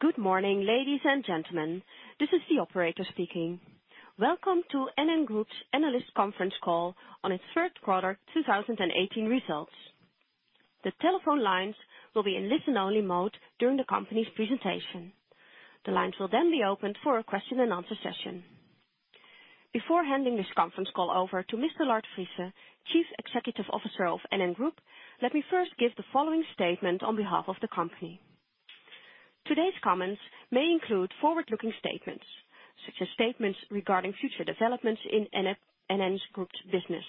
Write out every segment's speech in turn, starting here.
Good morning, ladies and gentlemen. This is the Operator speaking. Welcome to NN Group's analyst conference call on its third quarter 2018 results. The telephone lines will be in listen-only mode during the company's presentation. The lines will be opened for a question and answer session. Before handing this conference call over to Mr. Lard Friese, Chief Executive Officer of NN Group, let me first give the following statement on behalf of the company. Today's comments may include forward-looking statements, such as statements regarding future developments in NN Group's business,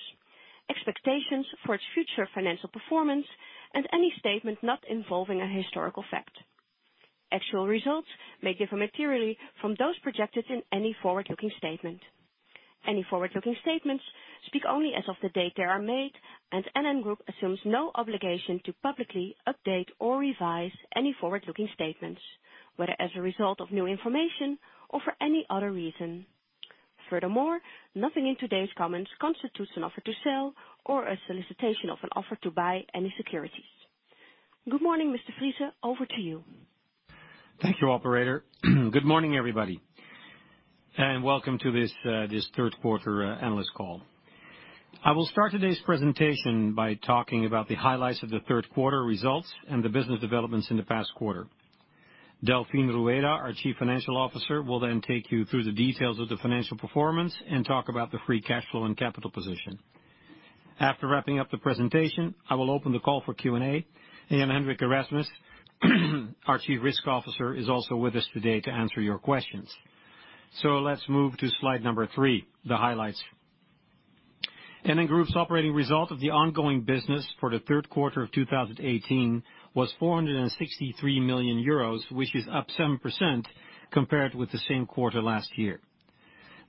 expectations for its future financial performance, and any statement not involving a historical fact. Actual results may differ materially from those projected in any forward-looking statement. Any forward-looking statements speak only as of the date they are made. NN Group assumes no obligation to publicly update or revise any forward-looking statements, whether as a result of new information or for any other reason. Furthermore, nothing in today's comments constitutes an offer to sell or a solicitation of an offer to buy any securities. Good morning, Mr. Friese. Over to you. Thank you, Operator. Good morning, everybody. Welcome to this third quarter analyst call. I will start today's presentation by talking about the highlights of the third quarter results and the business developments in the past quarter. Delfin Rueda, our Chief Financial Officer, will take you through the details of the financial performance and talk about the free cash flow and capital position. After wrapping up the presentation, I will open the call for Q&A. Jan-Hendrik Erasmus, our Chief Risk Officer, is also with us today to answer your questions. Let's move to slide number three, the highlights. NN Group's operating result of the ongoing business for the third quarter of 2018 was 463 million euros, which is up 7% compared with the same quarter last year.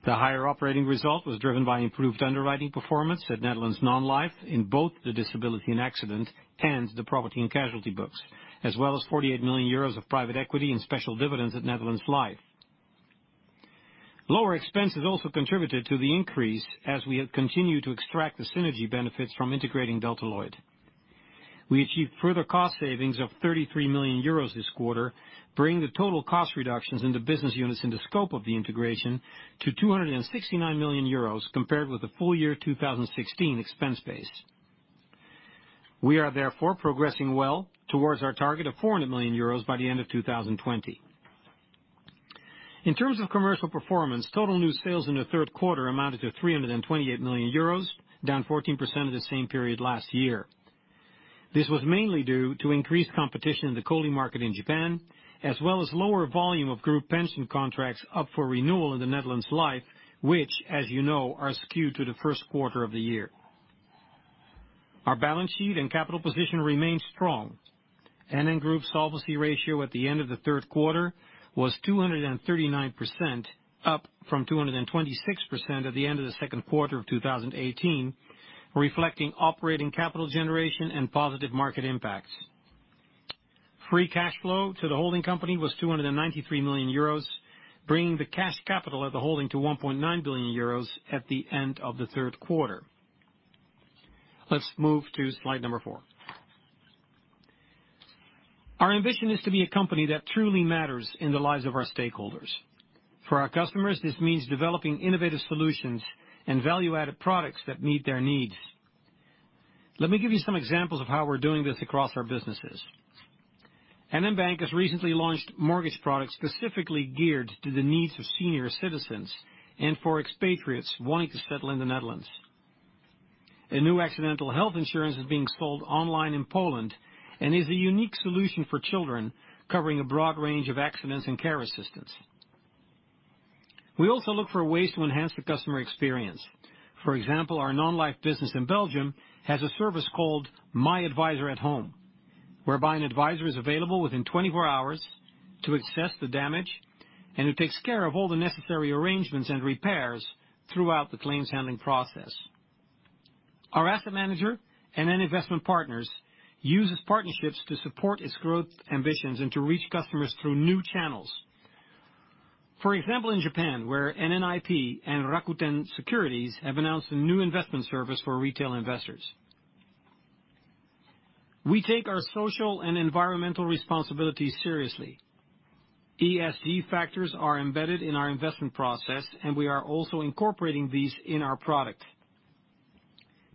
The higher operating result was driven by improved underwriting performance at Netherlands Non-Life in both the disability and accident and the property and casualty books, as well as 48 million euros of private equity and special dividends at Netherlands Life. Lower expenses also contributed to the increase as we have continued to extract the synergy benefits from integrating Delta Lloyd. We achieved further cost savings of 33 million euros this quarter, bringing the total cost reductions in the business units in the scope of the integration to 269 million euros compared with the full year 2016 expense base. We are therefore progressing well towards our target of 400 million euros by the end of 2020. In terms of commercial performance, total new sales in the third quarter amounted to 328 million euros, down 14% of the same period last year. This was mainly due to increased competition in the COLI market in Japan, as well as lower volume of group pension contracts up for renewal in the Netherlands Life, which, as you know, are skewed to the first quarter of the year. Our balance sheet and capital position remains strong. NN Group solvency ratio at the end of the third quarter was 239%, up from 226% at the end of the second quarter of 2018, reflecting operating capital generation and positive market impact. Free cash flow to the holding company was 293 million euros, bringing the cash capital of the holding to 1.9 billion euros at the end of the third quarter. Let's move to slide number four. Our ambition is to be a company that truly matters in the lives of our stakeholders. For our customers, this means developing innovative solutions and value-added products that meet their needs. Let me give you some examples of how we're doing this across our businesses. NN Bank has recently launched mortgage products specifically geared to the needs of senior citizens and for expatriates wanting to settle in the Netherlands. A new accidental health insurance is being sold online in Poland and is a unique solution for children, covering a broad range of accidents and care assistance. We also look for ways to enhance the customer experience. For example, our Non-Life business in Belgium has a service called My Advisor at Home, whereby an advisor is available within 24 hours to assess the damage, and who takes care of all the necessary arrangements and repairs throughout the claims handling process. Our asset manager NN Investment Partners uses partnerships to support its growth ambitions and to reach customers through new channels. For example, in Japan, where NNIP and Rakuten Securities have announced a new investment service for retail investors. We take our social and environmental responsibilities seriously. ESG factors are embedded in our investment process, and we are also incorporating these in our product.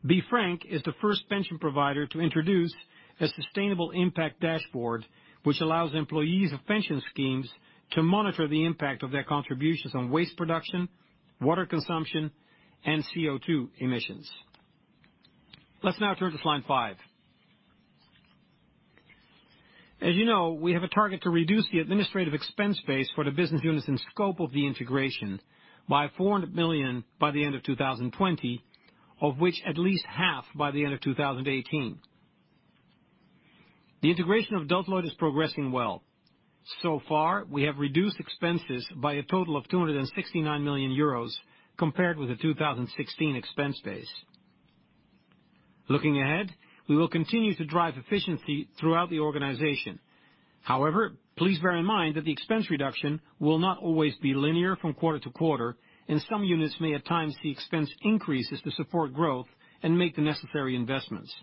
BeFrank is the first pension provider to introduce a sustainable impact dashboard, which allows employees of pension schemes to monitor the impact of their contributions on waste production, water consumption, and CO2 emissions. Let's now turn to slide five. As you know, we have a target to reduce the administrative expense base for the business units in scope of the integration by 400 million by the end of 2020, of which at least half by the end of 2018. The integration of Delta Lloyd is progressing well. So far, we have reduced expenses by a total of 269 million euros compared with the 2016 expense base. Looking ahead, we will continue to drive efficiency throughout the organization. However, please bear in mind that the expense reduction will not always be linear from quarter-to-quarter, and some units may, at times, see expense increases to support growth and make the necessary investments.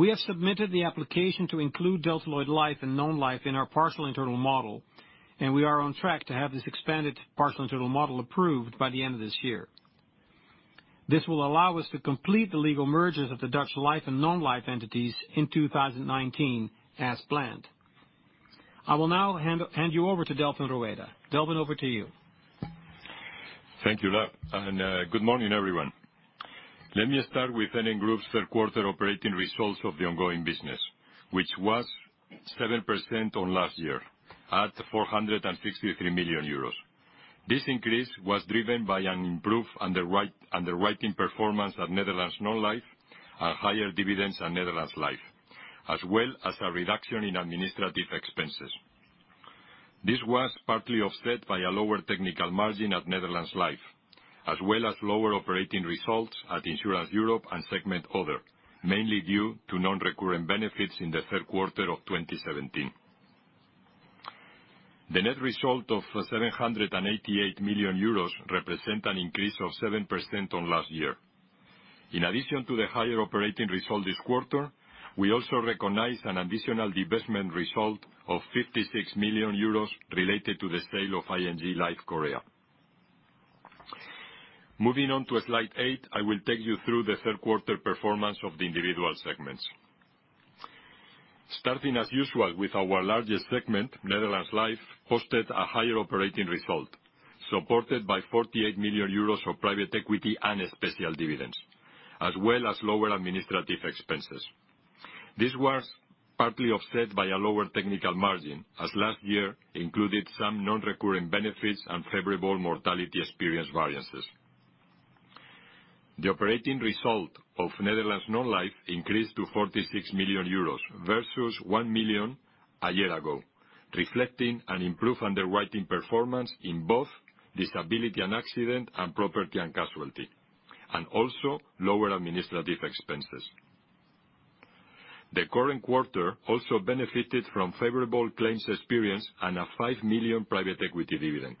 We have submitted the application to include Delta Lloyd Life and NN Life in our partial internal model, and we are on track to have this expanded partial internal model approved by the end of this year. This will allow us to complete the legal mergers of the Dutch life and non-life entities in 2019 as planned. I will now hand you over to Delfin Rueda. Delfin, over to you. Thank you, Lard. Good morning, everyone. Let me start with NN Group's third quarter operating results of the ongoing business, which was 7% on last year, at 463 million euros. This increase was driven by an improved underwriting performance at Netherlands Non-Life and higher dividends at Netherlands Life, as well as a reduction in administrative expenses. This was partly offset by a lower technical margin at Netherlands Life, as well as lower operating results at Insurance Europe and segment other, mainly due to non-recurrent benefits in the third quarter of 2017. The net result of 788 million euros represent an increase of 7% on last year. In addition to the higher operating result this quarter, we also recognize an additional divestment result of 56 million euros related to the sale of ING Life Korea. Moving on to slide eight, I will take you through the third quarter performance of the individual segments. Starting as usual with our largest segment, Netherlands Life, posted a higher operating result, supported by 48 million euros of private equity and special dividends, as well as lower administrative expenses. This was partly offset by a lower technical margin, as last year included some non-recurring benefits and favorable mortality experience variances. The operating result of Netherlands Non-Life increased to 46 million euros versus 1 million a year ago, reflecting an improved underwriting performance in both Disability & Accident and Property & Casualty, and also lower administrative expenses. The current quarter also benefited from favorable claims experience and a 5 million private equity dividend.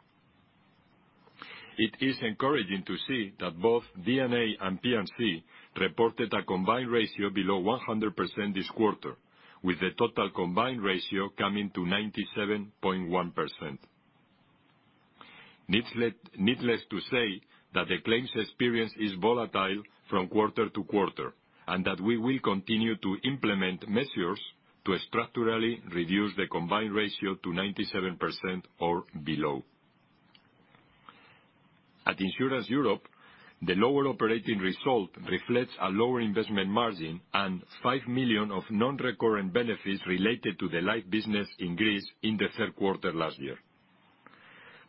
It is encouraging to see that both D&A and P&C reported a combined ratio below 100% this quarter, with the total combined ratio coming to 97.1%. Needless to say that the claims experience is volatile from quarter-to-quarter, that we will continue to implement measures to structurally reduce the combined ratio to 97% or below. At Insurance Europe, the lower operating result reflects a lower investment margin and 5 million of non-recurrent benefits related to the life business in Greece in the third quarter last year.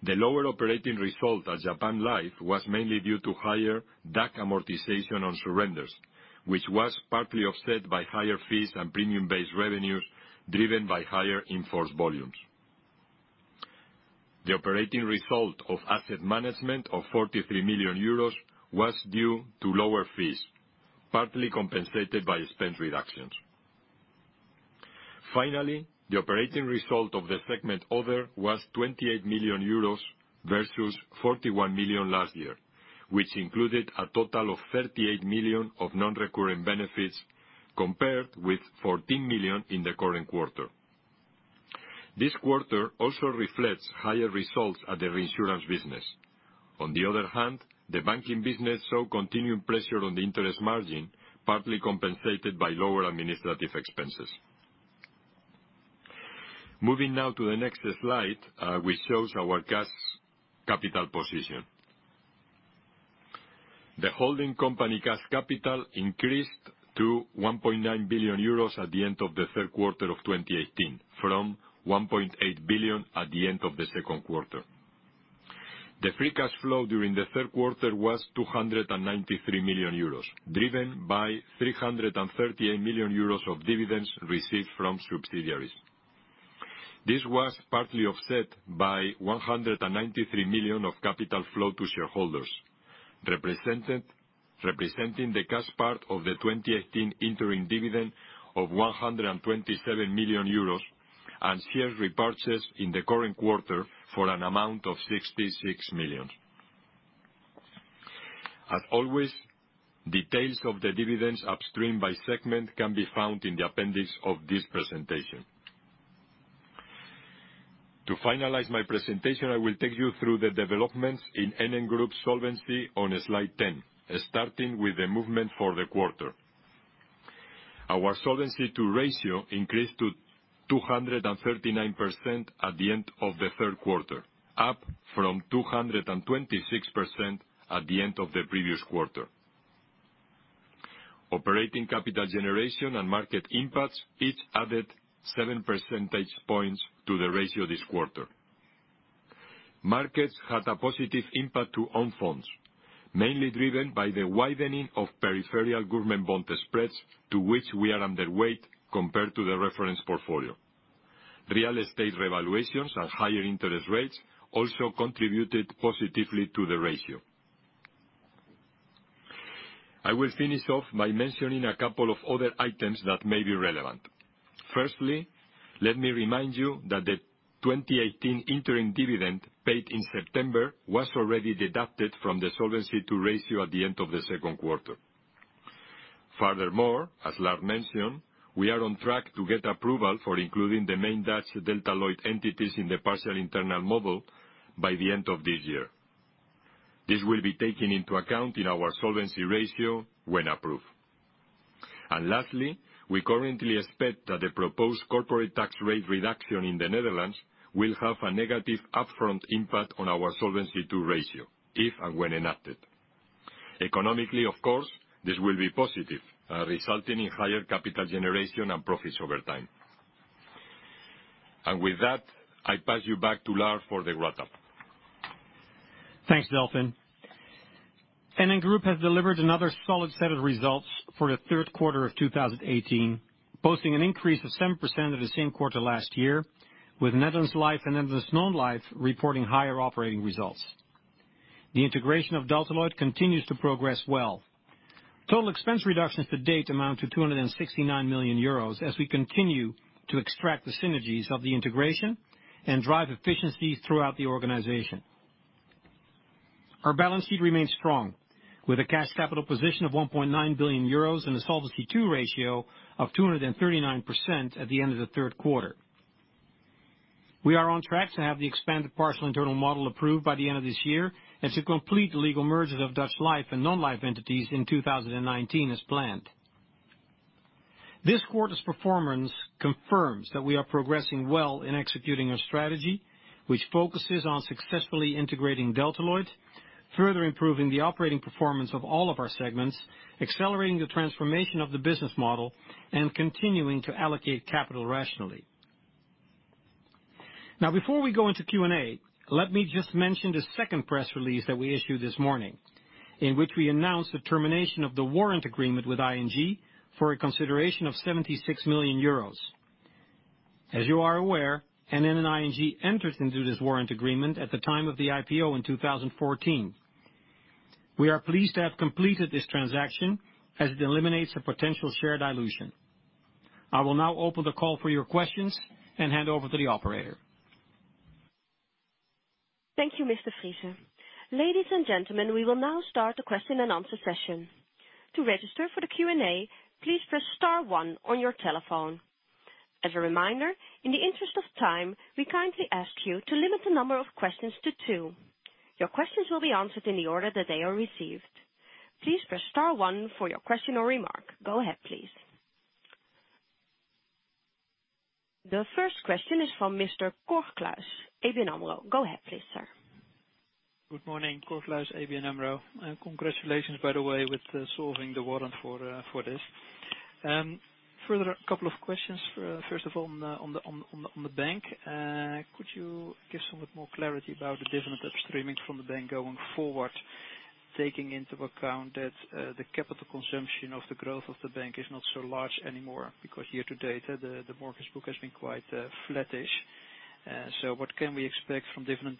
The lower operating result at Japan Life was mainly due to higher DAC amortization on surrenders, which was partly offset by higher fees and premium-based revenues driven by higher in-force volumes. The operating result of asset management of 43 million euros was due to lower fees, partly compensated by expense reductions. Finally, the operating result of the segment other was 28 million euros versus 41 million last year, which included a total of 38 million of non-recurring benefits, compared with 14 million in the current quarter. This quarter also reflects higher results at the reinsurance business. On the other hand, the banking business saw continued pressure on the interest margin, partly compensated by lower administrative expenses. Moving now to the next slide, which shows our cash capital position. The holding company cash capital increased to 1.9 billion euros at the end of the third quarter of 2018 from 1.8 billion at the end of the second quarter. The free cash flow during the third quarter was 293 million euros, driven by 338 million euros of dividends received from subsidiaries. This was partly offset by 193 million of capital flow to shareholders, representing the cash part of the 2018 interim dividend of 127 million euros and share repurchases in the current quarter for an amount of 66 million. As always, details of the dividends upstream by segment can be found in the appendix of this presentation. To finalize my presentation, I will take you through the developments in NN Group Solvency II on slide 10, starting with the movement for the quarter. Our Solvency II ratio increased to 239% at the end of the third quarter, up from 226% at the end of the previous quarter. Operating capital generation and market impacts each added 7 percentage points to the ratio this quarter. Markets had a positive impact to own funds, mainly driven by the widening of peripheral government bond spreads, to which we are underweight compared to the reference portfolio. Real estate revaluations and higher interest rates also contributed positively to the ratio. I will finish off by mentioning a couple of other items that may be relevant. Firstly, let me remind you that the 2018 interim dividend paid in September was already deducted from the Solvency II ratio at the end of the second quarter. As Lard mentioned, we are on track to get approval for including the main Dutch Delta Lloyd entities in the partial internal model by the end of this year. This will be taken into account in our Solvency II ratio when approved. Lastly, we currently expect that the proposed corporate tax rate reduction in the Netherlands will have a negative upfront impact on our Solvency II ratio, if and when enacted. Economically, of course, this will be positive, resulting in higher capital generation and profits over time. With that, I pass you back to Lard for the wrap-up. Thanks, Delfin. NN Group has delivered another solid set of results for the third quarter of 2018, posting an increase of 7% of the same quarter last year, with Netherlands Life and Netherlands Non-Life reporting higher operating results. The integration of Delta Lloyd continues to progress well. Total expense reductions to date amount to 269 million euros as we continue to extract the synergies of the integration and drive efficiencies throughout the organization. Our balance sheet remains strong, with a cash capital position of 1.9 billion euros and a Solvency II ratio of 239% at the end of the third quarter. We are on track to have the expanded partial internal model approved by the end of this year and to complete the legal mergers of Dutch Life and Non-Life entities in 2019 as planned. This quarter's performance confirms that we are progressing well in executing our strategy, which focuses on successfully integrating Delta Lloyd, further improving the operating performance of all of our segments, accelerating the transformation of the business model, and continuing to allocate capital rationally. Now, before we go into Q&A, let me just mention the second press release that we issued this morning, in which we announced the termination of the warrant agreement with ING for a consideration of 76 million euros. As you are aware, NN and ING entered into this warrant agreement at the time of the IPO in 2014. We are pleased to have completed this transaction as it eliminates a potential share dilution. I will now open the call for your questions and hand over to the Operator. Thank you, Mr. Friese. Ladies and gentlemen, we will now start the question and answer session. To register for the Q&A, please press star one on your telephone. As a reminder, in the interest of time, we kindly ask you to limit the number of questions to two. Your questions will be answered in the order that they are received. Please press star one for your question or remark. Go ahead, please. The first question is from Mr. Cor Kluis, ABN AMRO. Go ahead please, sir. Good morning, Cor Kluis, ABN AMRO, congratulations, by the way, with solving the warrant for this. Further, a couple of questions. First of all, on the bank. Could you give somewhat more clarity about the dividend that's streaming from the bank going forward, taking into account that the capital consumption of the growth of the bank is not so large anymore? Because year-to-date, the mortgage book has been quite flattish. What can we expect from dividend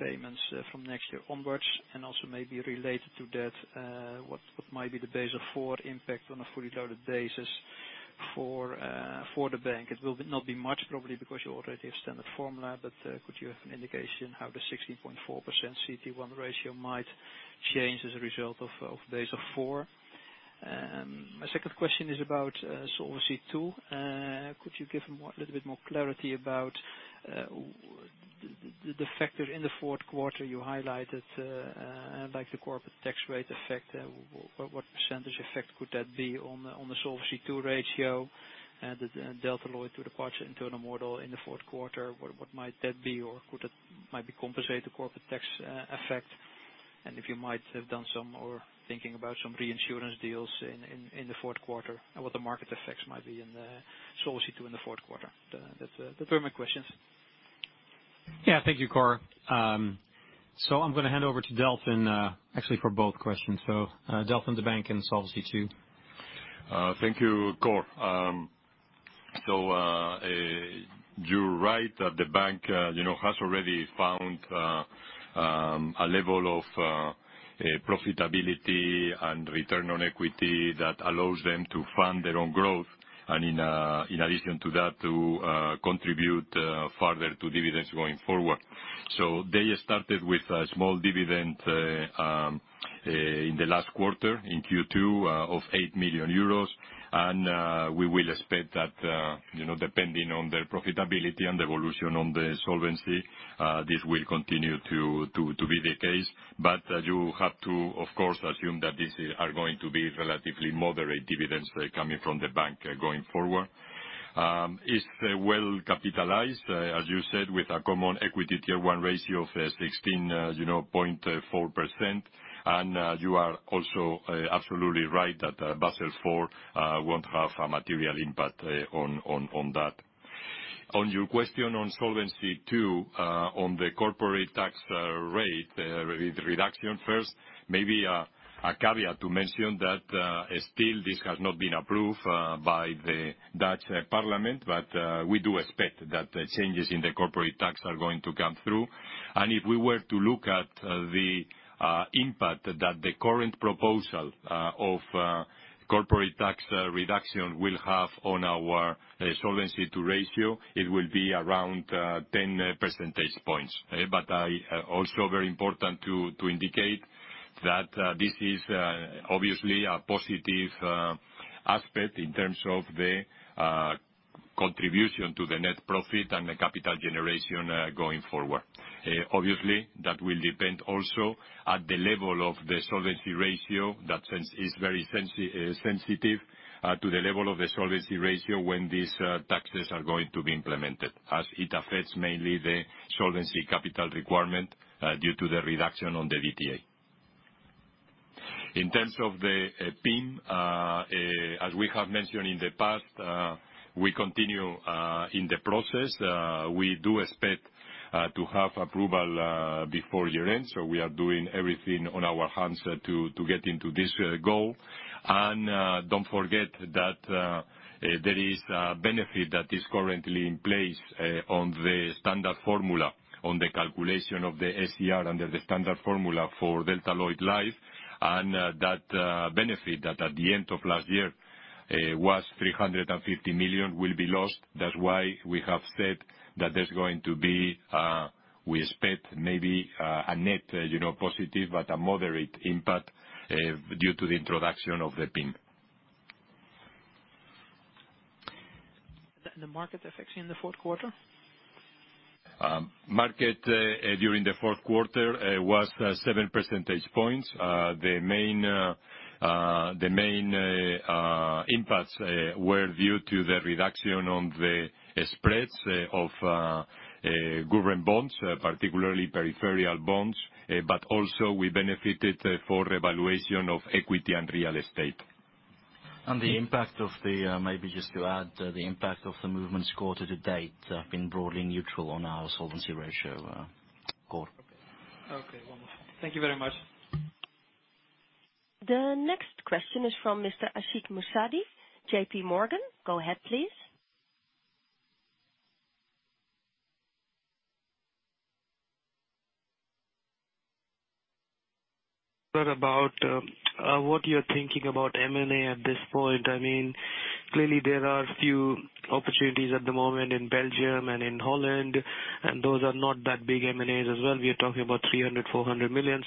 payments from next year onwards? Also maybe related to that, what might be the Basel IV impact on a fully loaded basis for the bank? It will not be much, probably because you already have standard formula. But could you have an indication how the 16.4% CET1 ratio might change as a result of Basel IV? My second question is about Solvency II. Could you give a little bit more clarity about the factor in the fourth quarter you highlighted, like the corporate tax rate effect. What percentage effect could that be on the Solvency II ratio? The Delta Lloyd to the partial internal model in the fourth quarter, what might that be, or could that might compensate the corporate tax effect? If you might have done some more thinking about some reinsurance deals in the fourth quarter, and what the market effects might be in the Solvency II in the fourth quarter. That's all my questions. Thank you, Cor. I'm going to hand over to Delfin, actually for both questions. Delfin, the bank and Solvency II. Thank you, Cor. You're right that the bank has already found a level of profitability and return on equity that allows them to fund their own growth. In addition to that, to contribute further to dividends going forward. They started with a small dividend in the last quarter, in Q2, of 8 million euros. We will expect that, depending on their profitability and evolution on the solvency, this will continue to be the case. You have to, of course, assume that these are going to be relatively moderate dividends coming from the bank going forward. It's well capitalized, as you said, with a Common Equity Tier 1 ratio of 16.4%. You are also absolutely right that Basel IV won't have a material impact on that. On your question on Solvency II, on the corporate tax rate reduction. First, maybe a caveat to mention that still this has not been approved by the Dutch Parliament, but we do expect that the changes in the corporate tax are going to come through. If we were to look at the impact that the current proposal of corporate tax reduction will have on our Solvency II ratio, it will be around 10 percentage points. Also very important to indicate that this is obviously a positive aspect in terms of the contribution to the net profit and the capital generation going forward. Obviously, that will depend also at the level of the solvency ratio. That is very sensitive to the level of the solvency ratio when these taxes are going to be implemented, as it affects mainly the solvency capital requirement due to the reduction on the VTA. In terms of the PIM, as we have mentioned in the past, we continue in the process. We do expect to have approval before year-end. We are doing everything on our hands to get into this goal. Don't forget that there is a benefit that is currently in place on the standard formula, on the calculation of the SCR under the standard formula for Delta Lloyd Life. That benefit, that at the end of last year was 350 million, will be lost. That's why we have said that we expect maybe a net positive but a moderate impact due to the introduction of the PIM. The market effects in the fourth quarter? Market during the fourth quarter was 7 percentage points. The main impacts were due to the reduction on the spreads of government bonds, particularly peripheral bonds. Also we benefited for revaluation of equity and real estate. The impact of the, maybe just to add, the impact of the movements quarter-to-date have been broadly neutral on our solvency ratio, Cor. Okay, wonderful. Thank you very much. The next question is from Mr. Ashik Musaddi, JPMorgan. Go ahead, please. What about what you're thinking about M&A at this point? Clearly there are few opportunities at the moment in Belgium and in Holland, and those are not that big M&As as well. We are talking about 300 million-400 million.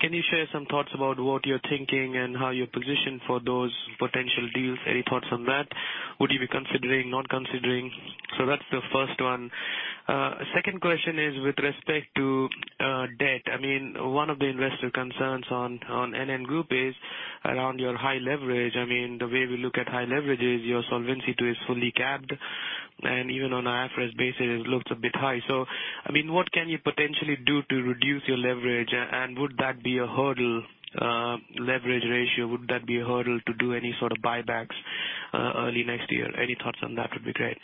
Can you share some thoughts about what you're thinking and how you're positioned for those potential deals? Any thoughts on that? Would you be considering, not considering? That's the first one. Second question is with respect to debt. One of the investor concerns on NN Group is around your high leverage. The way we look at high leverage is your Solvency II is fully capped and even on IFRS basis it looks a bit high. What can you potentially do to reduce your leverage? And would that be a hurdle, leverage ratio, would that be a hurdle to do any sort of buybacks early next year? Any thoughts on that would be great.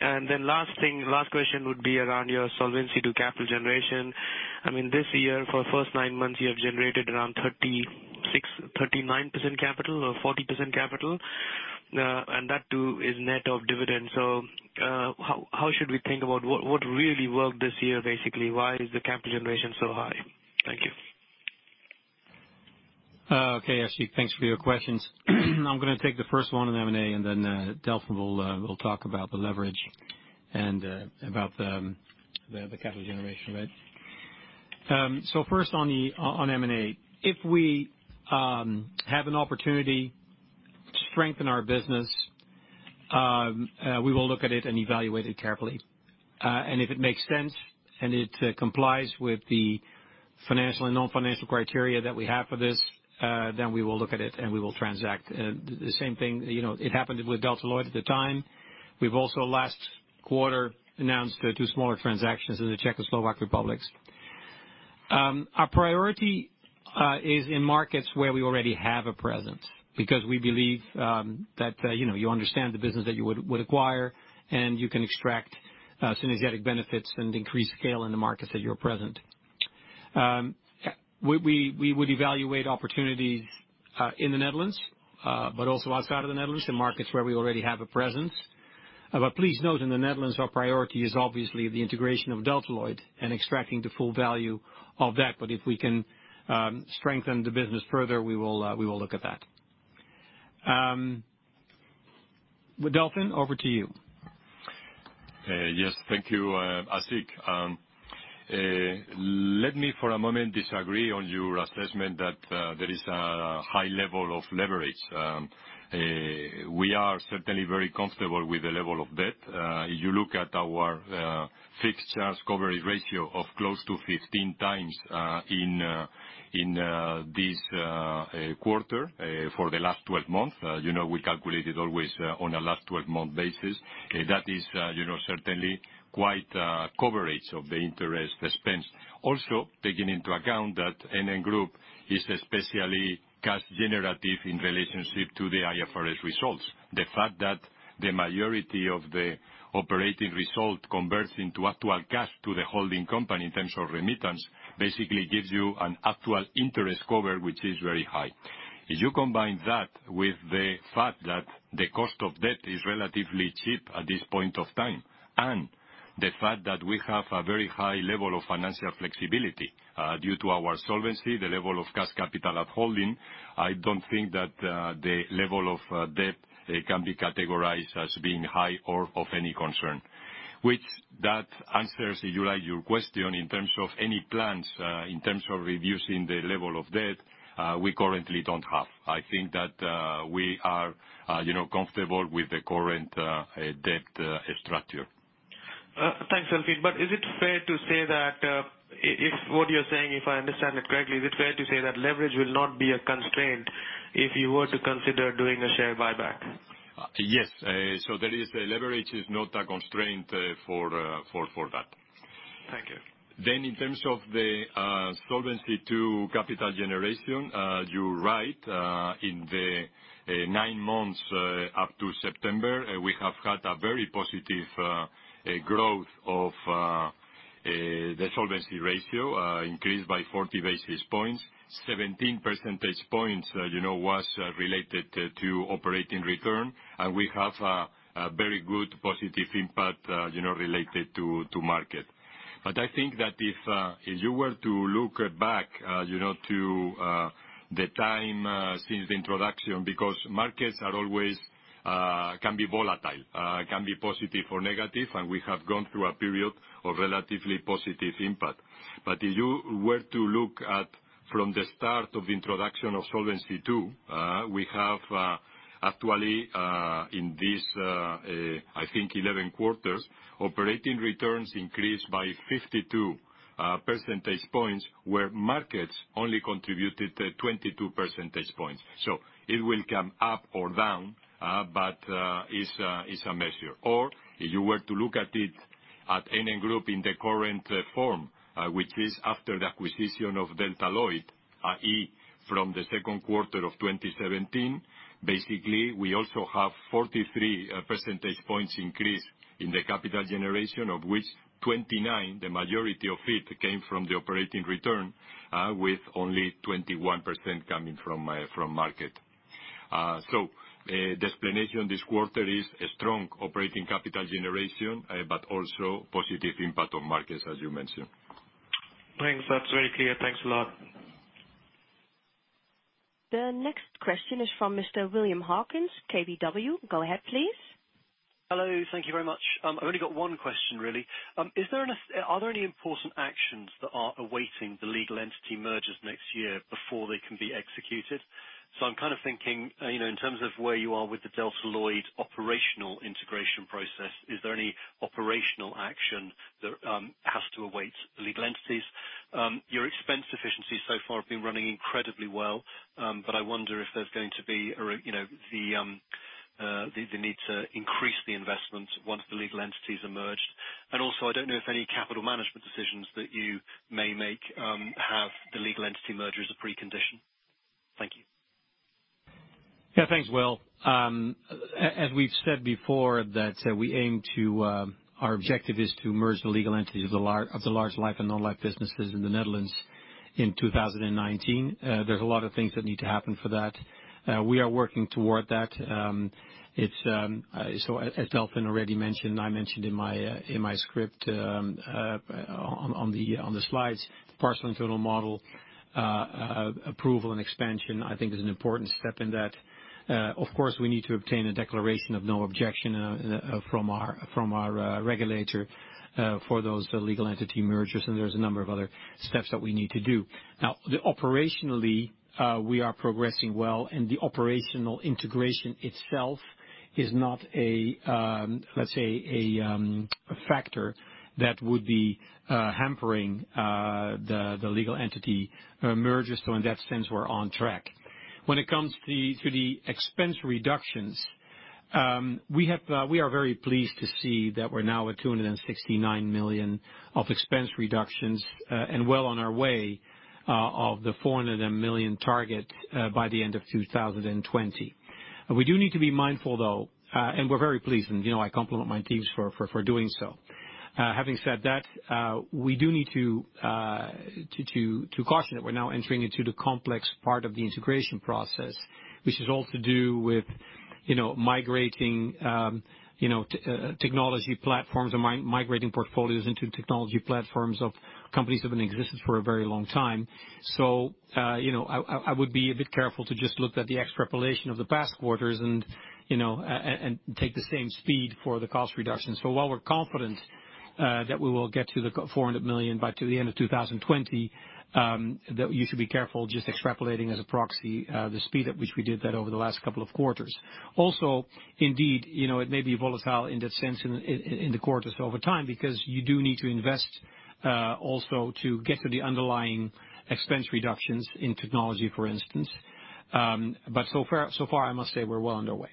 Last question would be around your Solvency II capital generation. This year, for the first nine months, you have generated around 36%-39% capital or 40% capital. That too is net of dividends. How should we think about what really worked this year, basically? Why is the capital generation so high? Thank you. Okay, Ashik, thanks for your questions. I'm going to take the first one on M&A, and Delfin will talk about the leverage and about the capital generation. First on M&A. If we have an opportunity to strengthen our business, we will look at it and evaluate it carefully. If it makes sense and it complies with the financial and non-financial criteria that we have for this, we will look at it and we will transact. The same thing, it happened with Delta Lloyd at the time. We've also last quarter announced two smaller transactions in the Czech Republic and Slovakia. Our priority is in markets where we already have a presence, because we believe that you understand the business that you would acquire, and you can extract synergetic benefits and increase scale in the markets that you're present. We would evaluate opportunities in the Netherlands, also outside of the Netherlands, in markets where we already have a presence. Please note, in the Netherlands, our priority is obviously the integration of Delta Lloyd and extracting the full value of that. If we can strengthen the business further, we will look at that. Delfin, over to you. Yes. Thank you, Ashik. Let me, for a moment, disagree on your assessment that there is a high level of leverage. We are certainly very comfortable with the level of debt. If you look at our fixed charge coverage ratio of close to 15x in this quarter, for the last 12 months, we calculate it always on a last 12-month basis. That is certainly quite a coverage of the interest expense. Also, taking into account that NN Group is especially cash generative in relationship to the IFRS results. The fact that the majority of the operating result converts into actual cash to the holding company in terms of remittance, basically gives you an actual interest cover, which is very high. If you combine that with the fact that the cost of debt is relatively cheap at this point of time, and the fact that we have a very high level of financial flexibility due to our solvency, the level of cash capital upholding, I don't think that the level of debt can be categorized as being high or of any concern. With that answers, if you like, your question in terms of any plans, in terms of reducing the level of debt, we currently don't have. I think that we are comfortable with the current debt structure. Thanks, Delfin. Is it fair to say that, if what you're saying, if I understand it correctly, is it fair to say that leverage will not be a constraint if you were to consider doing a share buyback? Yes. Leverage is not a constraint for that. Thank you. In terms of the Solvency II capital generation, you're right. In the nine months up to September, we have had a very positive growth of the solvency ratio, increased by 40 basis points. 17 percentage points was related to operating return, we have a very good positive impact related to market. I think that if you were to look back to the time since the introduction, because markets can be volatile. Can be positive or negative, and we have gone through a period of relatively positive impact. If you were to look at from the start of the introduction of Solvency II, we have actually, in these, I think 11 quarters, operating returns increased by 52 percentage points, where markets only contributed 22 percentage points. It will come up or down, but it's a measure. If you were to look at it at NN Group in the current form, which is after the acquisition of Delta Lloyd, i.e., from the second quarter of 2017, basically, we also have 43 percentage points increase in the capital generation, of which 29, the majority of it, came from the operating return, with only 21% coming from market. The explanation this quarter is a strong operating capital generation, but also positive impact on markets, as you mentioned. Thanks. That's very clear. Thanks a lot. The next question is from Mr. William Hawkins, KBW. Go ahead, please. Hello. Thank you very much. I've only got one question, really. Are there any important actions that are awaiting the legal entity mergers next year before they can be executed? I'm thinking, in terms of where you are with the Delta Lloyd operational integration process, is there any operational action that has to await the legal entities? Your expense efficiencies so far have been running incredibly well, but I wonder if there's going to be the need to increase the investment once the legal entity is merged. Also, I don't know if any capital management decisions that you may make have the legal entity merger as a precondition. Thank you. Yeah, thanks, Will. As we've said before, our objective is to merge the legal entities of the large life and non-life businesses in the Netherlands in 2019. There's a lot of things that need to happen for that. We are working toward that. As Delfin already mentioned, and I mentioned in my script on the slides, partial internal model approval and expansion, I think, is an important step in that. Of course, we need to obtain a declaration of no objection from our regulator for those legal entity mergers, there's a number of other steps that we need to do. Operationally, we are progressing well, the operational integration itself is not, let's say, a factor that would be hampering the legal entity mergers. In that sense, we're on track. When it comes to the expense reductions, we are very pleased to see that we're now at 269 million of expense reductions, well on our way of the 400 million target by the end of 2020. We do need to be mindful, though, we're very pleased, and I compliment my teams for doing so. Having said that, we do need to caution that we're now entering into the complex part of the integration process, which is all to do with migrating technology platforms and migrating portfolios into technology platforms of companies who've been in existence for a very long time. I would be a bit careful to just look at the extrapolation of the past quarters and take the same speed for the cost reductions. While we're confident that we will get to the 400 million by the end of 2020, you should be careful just extrapolating as a proxy the speed at which we did that over the last couple of quarters. Indeed, it may be volatile in that sense in the quarters over time, because you do need to invest also to get to the underlying expense reductions in technology, for instance. So far, I must say, we're well underway.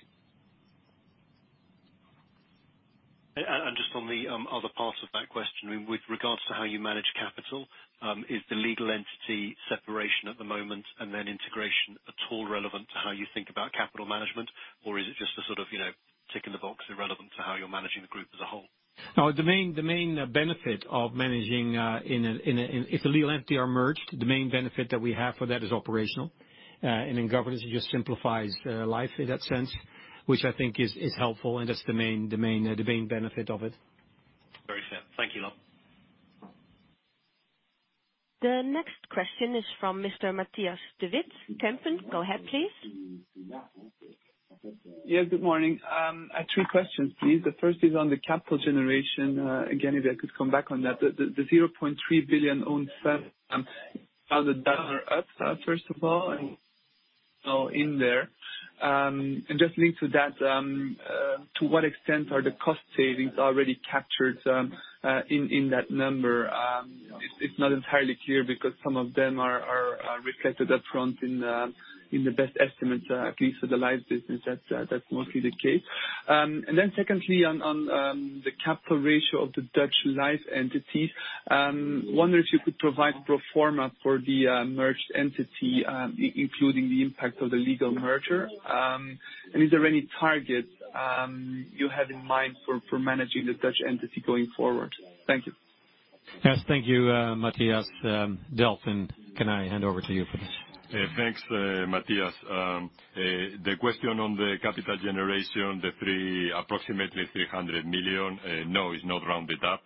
Just on the other part of that question, with regards to how you manage capital, is the legal entity separation at the moment and then integration at all relevant? How you think about capital management? Or is it just a tick in the box irrelevant to how you're managing the group as a whole? No, the main benefit of managing, if the legal entity are merged, the main benefit that we have for that is operational. In governance, it just simplifies life in that sense, which I think is helpful, and that's the main benefit of it. Very fair. Thank you, Lard. The next question is from Mr. Matthias de Wit, Kempen. Go ahead, please. Yes, good morning. I have two questions, please. The first is on the capital generation. Again, if I could come back on that. The 0.3 billion own first of all, and in there. Just linked to that, to what extent are the cost savings already captured in that number? It's not entirely clear because some of them are reflected upfront in the best estimates, at least for the life business, that's mostly the case. Then secondly, on the capital ratio of the Dutch life entity, I wonder if you could provide pro forma for the merged entity, including the impact of the legal merger. Is there any target you have in mind for managing the Dutch entity going forward? Thank you. Yes, thank you, Matthias. Delfin, can I hand over to you for this? Thanks, Matthias. The question on the capital generation, the approximately 300 million, no, it's not rounded up.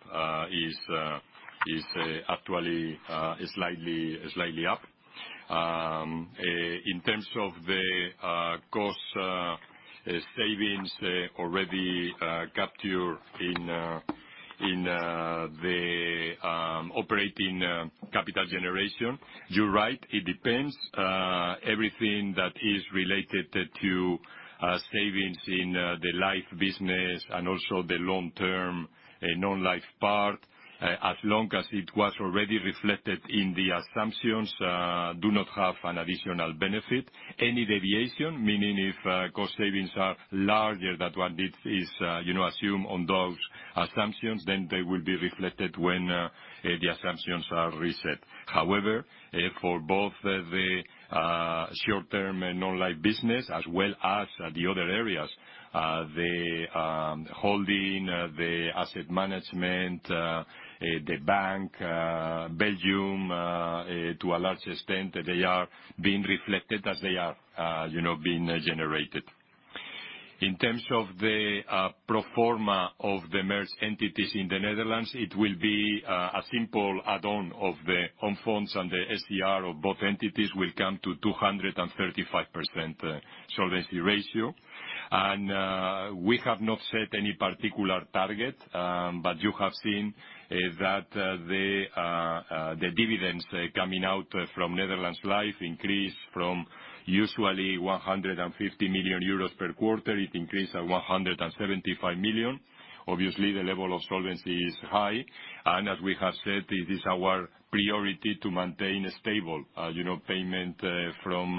It's actually slightly up. In terms of the cost savings already captured in the operating capital generation, you're right, it depends. Everything that is related to savings in the life business and also the long term non-life part, as long as it was already reflected in the assumptions, do not have an additional benefit. Any deviation, meaning if cost savings are larger than what is assumed on those assumptions, then they will be reflected when the assumptions are reset. However, for both the short term and non-life business, as well as the other areas, the holding, the asset management, the bank, Belgium, to a large extent, they are being reflected as they are being generated. In terms of the pro forma of the merged entities in the Netherlands, it will be a simple add-on of the own funds, and the SCR of both entities will come to 235% solvency ratio. We have not set any particular target, but you have seen that the dividends coming out from Netherlands Life increased from usually 150 million euros per quarter, it increased to 175 million. Obviously, the level of solvency is high. As we have said, it is our priority to maintain stable payment from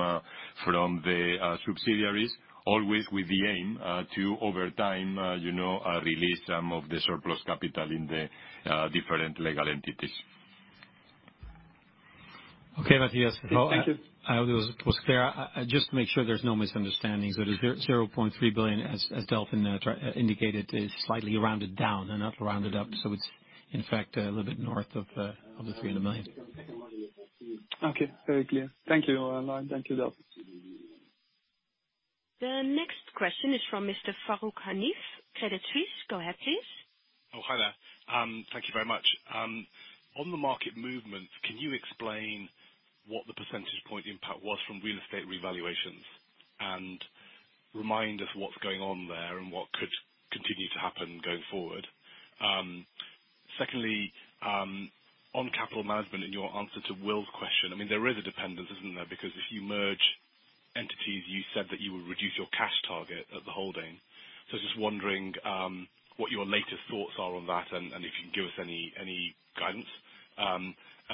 the subsidiaries, always with the aim to, over time, release some of the surplus capital in the different legal entities. Okay, Matthias. Thank you. I hope it was clear. Just to make sure there's no misunderstandings, that 0.3 billion, as Delfin indicated, is slightly rounded down and not rounded up. It's, in fact, a little bit north of the 300 million. Okay, very clear. Thank you, Lard. Thank you, Delfin. The next question is from Mr. Farooq Hanif, Credit Suisse. Go ahead, please. Hi there. Thank you very much. On the market movement, can you explain what the percentage point impact was from real estate revaluations, and remind us what's going on there and what could continue to happen going forward? Secondly, on capital management, in your answer to Will's question, there is a dependence, isn't there? If you merge entities, you said that you would reduce your cash target at the holding. Just wondering what your latest thoughts are on that, and if you can give us any guidance.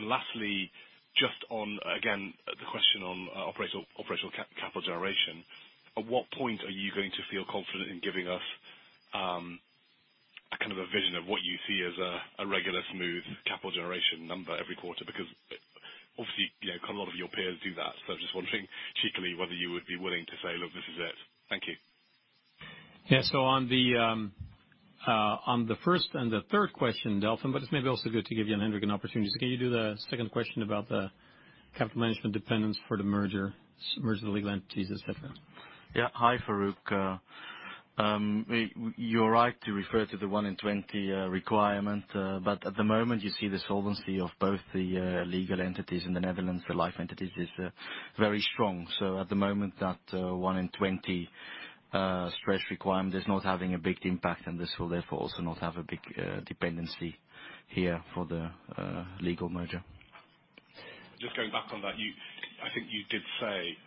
Lastly, just on, again, the question on operational capital generation, at what point are you going to feel confident in giving us a vision of what you see as a regular, smooth capital generation number every quarter? Obviously, a lot of your peers do that. I was just wondering, cheekily, whether you would be willing to say, look, this is it. Thank you. On the first and the third question, Delfin, it may be also good to give Jan-Hendrik an opportunity. Can you do the second question about the capital management dependence for the merger of the legal entities, et cetera? Yeah. Hi, Farooq. You're right to refer to the one in 20 requirement. At the moment, you see the solvency of both the legal entities in the Netherlands, the life entities, is very strong. At the moment, that one in 20 stress requirement is not having a big impact, and this will therefore also not have a big dependency here for the legal merger. Just going back on that, I think you did say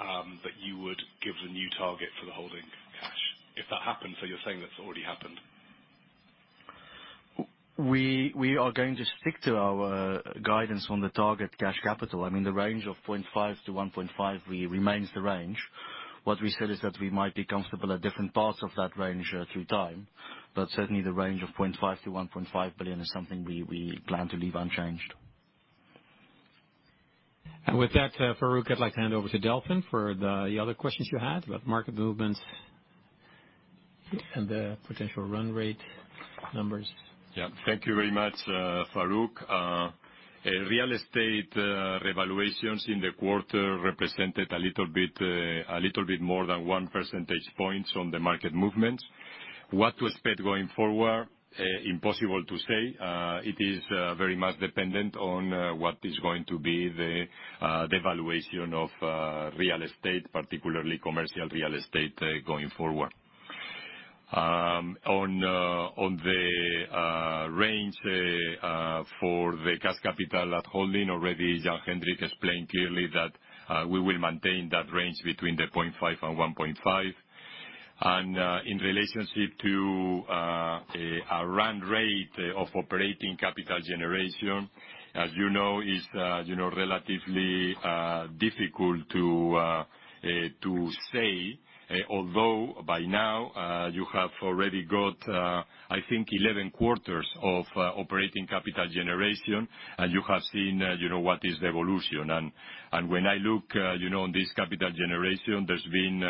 that you would give the new target for the holding cash. If that happened, you're saying that's already happened? We are going to stick to our guidance on the target cash capital. The range of 0.5 billion-1.5 billion remains the range. What we said is that we might be comfortable at different parts of that range through time. Certainly the range of 0.5 billion-1.5 billion is something we plan to leave unchanged. With that, Farooq, I'd like to hand over to Delfin for the other questions you had about market movements and the potential run rate numbers. Thank you very much, Farooq. Real estate revaluations in the quarter represented a little bit more than 1 percentage points on the market movements. What to expect going forward, impossible to say. It is very much dependent on what is going to be the valuation of real estate, particularly commercial real estate, going forward. On the range for the cash capital at holding, already Jan-Hendrik explained clearly that we will maintain that range between the 0.5 billion and 1.5 billion. In relationship to a run rate of operating capital generation, as you know, is relatively difficult to say, although by now you have already got, I think, 11 quarters of operating capital generation, and you have seen what is the evolution. When I look on this capital generation, there's been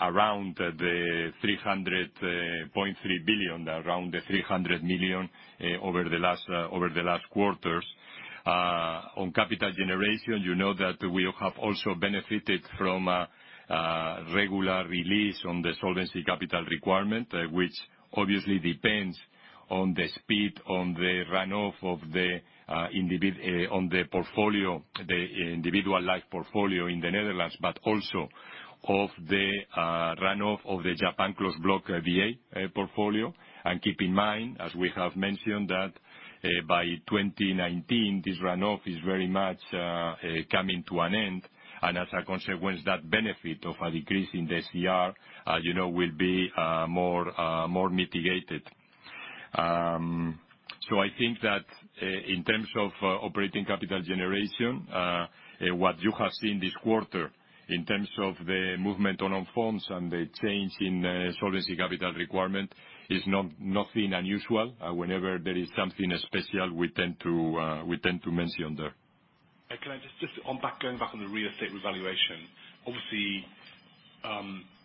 around the 300.3 billion, around the 300 million over the last quarters. On capital generation, you know that we have also benefited from a regular release on the Solvency Capital Requirement, which obviously depends on the speed on the run-off on the individual life portfolio in the Netherlands, but also of the run-off of the Japan Life closed block VA portfolio. Keep in mind, as we have mentioned, that by 2019, this run-off is very much coming to an end, and as a consequence, that benefit of a decrease in the SCR will be more mitigated. I think that in terms of operating capital generation, what you have seen this quarter in terms of the movement on forms and the change in Solvency Capital Requirement is nothing unusual. Whenever there is something special, we tend to mention there. Can I just, going back on the real estate revaluation. Obviously,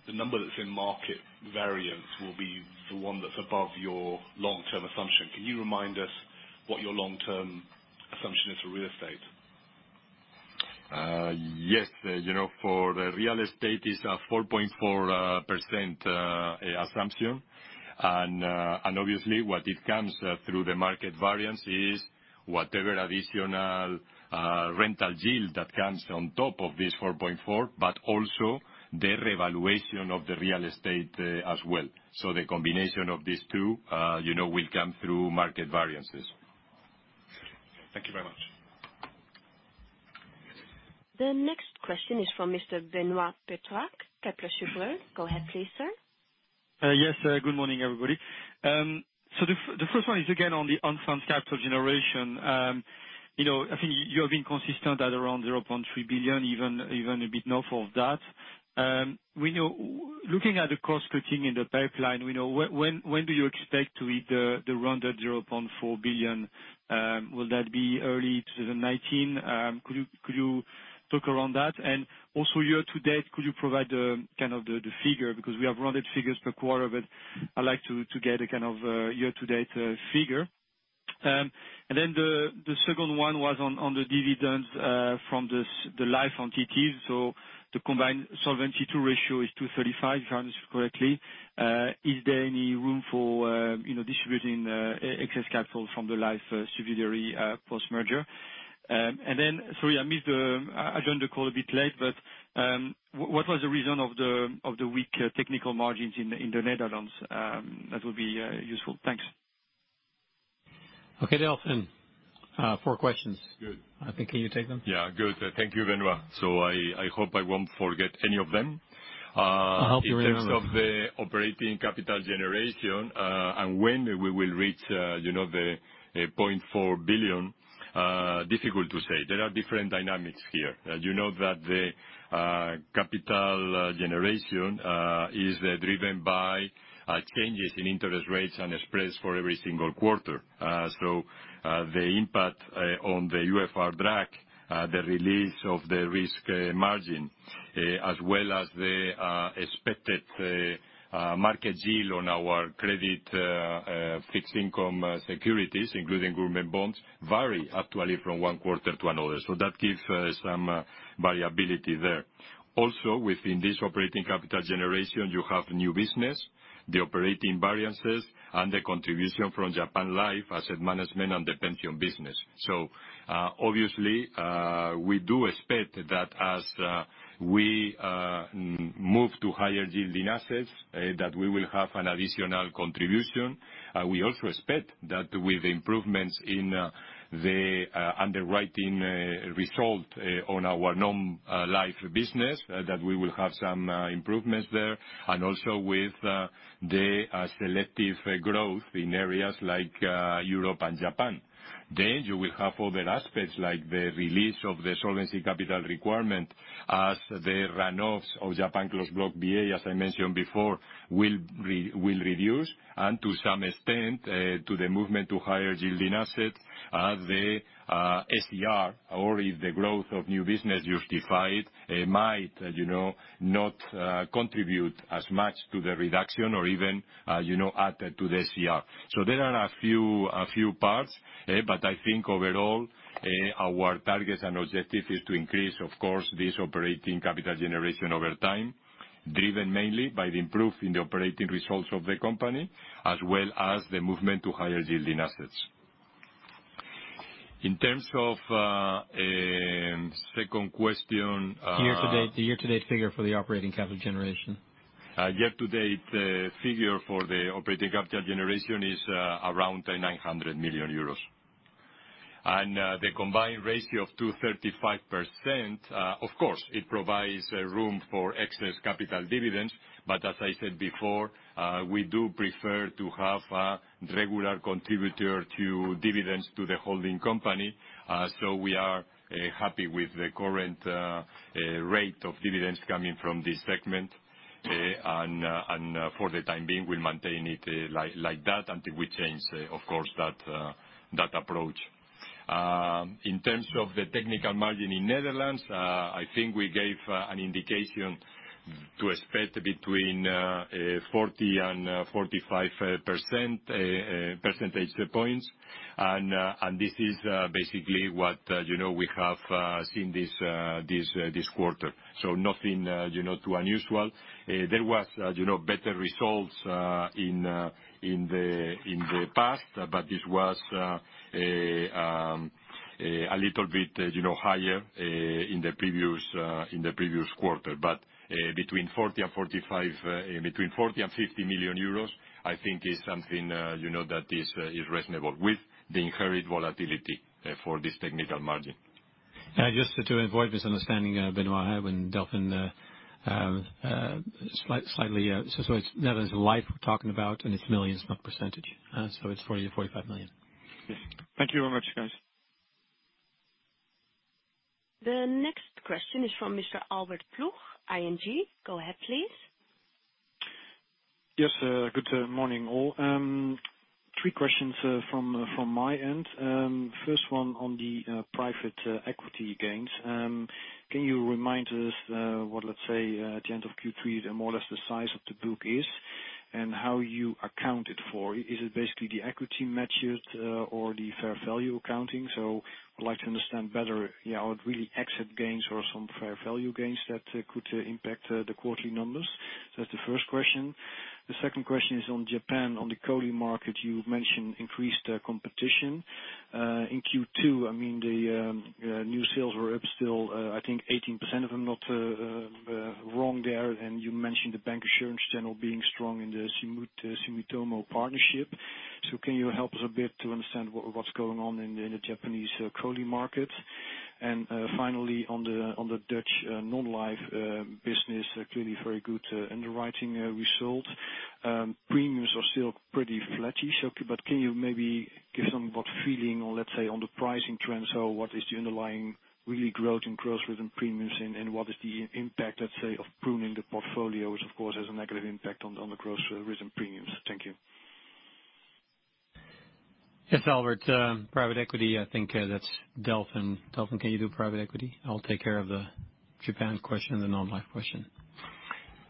the number that's in market variance will be the one that's above your long-term assumption. Can you remind us what your long-term assumption is for real estate? Yes. For the real estate is a 4.4% assumption. Obviously, what it comes through the market variance is whatever additional rental yield that comes on top of this 4.4%, but also the revaluation of the real estate, as well. The combination of these two will come through market variances. Thank you very much. The next question is from Mr. Benoît Pétrarque, Kepler Cheuvreux. Go ahead please, Sir. Yes. Good morning, everybody. The first one is again on the unfunds capital generation. I think you have been consistent at around 0.3 billion, even a bit north of that. Looking at the cost cutting in the pipeline, when do you expect to hit the rounded 0.4 billion? Will that be early 2019? Could you talk around that? Also year-to-date, could you provide the figure? Because we have rounded figures per quarter, but I'd like to get a year-to-date figure. The second one was on the dividends from the life entities. The combined Solvency II ratio is 235%, if I understood correctly. Is there any room for distributing excess capital from the life subsidiary post-merger? Then, sorry, I joined the call a bit late, but what was the reason of the weak technical margins in the Netherlands? That would be useful. Thanks. Okay, Delfin. Four questions. Good. I think, can you take them? Yeah. Good. Thank you, Benoît. I hope I won't forget any of them. I'll help you remember. In terms of the operating capital generation, when we will reach the 0.4 billion, difficult to say. There are different dynamics here. You know that the capital generation is driven by changes in interest rates and spreads for every single quarter. The impact on the UFR drag, the release of the risk margin, as well as the expected market yield on our credit fixed income securities, including government bonds, vary actually from one quarter to another. That gives some variability there. Also, within this operating capital generation, you have new business, the operating variances, and the contribution from Japan Life asset management and the pension business. Obviously, we do expect that as we move to higher yielding assets, that we will have an additional contribution. We also expect that with improvements in the underwriting result on our non-life business, that we will have some improvements there, and also with the selective growth in areas like Europe and Japan. You will have other aspects like the release of the Solvency Capital Requirement as the run-offs of Japan Closed Block VA, as I mentioned before, will reduce and to some extent, to the movement to higher yielding assets as the SCR, or if the growth of new business justifies, it might not contribute as much to the reduction or even add to the SCR. There are a few parts, but I think overall, our targets and objective is to increase, of course, this operating capital generation over time, driven mainly by the improvement in the operating results of the company as well as the movement to higher yielding assets. In terms of second question. The year-to-date figure for the operating capital generation. Year-to-date figure for the operating capital generation is around 900 million euros. The combined ratio of 235%, of course, it provides room for excess capital dividends. As I said before, we do prefer to have a regular contributor to dividends to the holding company. We are happy with the current rate of dividends coming from this segment. For the time being, we'll maintain it like that until we change, of course, that approach. In terms of the technical margin in Netherlands, I think we gave an indication to expect between 40 and 45 percentage points. This is basically what we have seen this quarter. Nothing too unusual. There was better results in the past, but this was a little bit higher in the previous quarter. Between 40 million and 50 million euros, I think is something that is reasonable with the inherent volatility for this technical margin. Just to avoid misunderstanding, Benoît, when Delfin. It's Netherlands Life we're talking about, and it's millions, not percentage. It's 40 million-45 million. Yes. Thank you very much, guys. The next question is from Mr. Albert Ploegh, ING. Go ahead, please. Yes. Good morning, all. Three questions from my end. First one on the private equity gains. Can you remind us what, let's say, at the end of Q3, more or less the size of the book is and how you account it for? Is it basically the equity method or the fair value accounting? I'd like to understand better, are it really exit gains or some fair value gains that could impact the quarterly numbers? That's the first question. The second question is on Japan. On the COLI market, you mentioned increased competition. In Q2, the new sales were up still, I think 18%, if I'm not wrong there. And you mentioned the bank insurance channel being strong in the Sumitomo partnership. Can you help us a bit to understand what's going on in the Japanese COLI market? Finally, on the Dutch non-life business, clearly very good underwriting result. Premiums are still pretty flattish. Can you maybe give some feeling or, let's say, on the pricing trends, so what is the underlying really growth in gross written premiums and what is the impact, let's say, of pruning the portfolio, which, of course, has a negative impact on the gross written premiums? Thank you. Yes, Albert. Private equity, I think that's Delfin. Delfin, can you do private equity? I'll take care of the Japan question and the non-life question.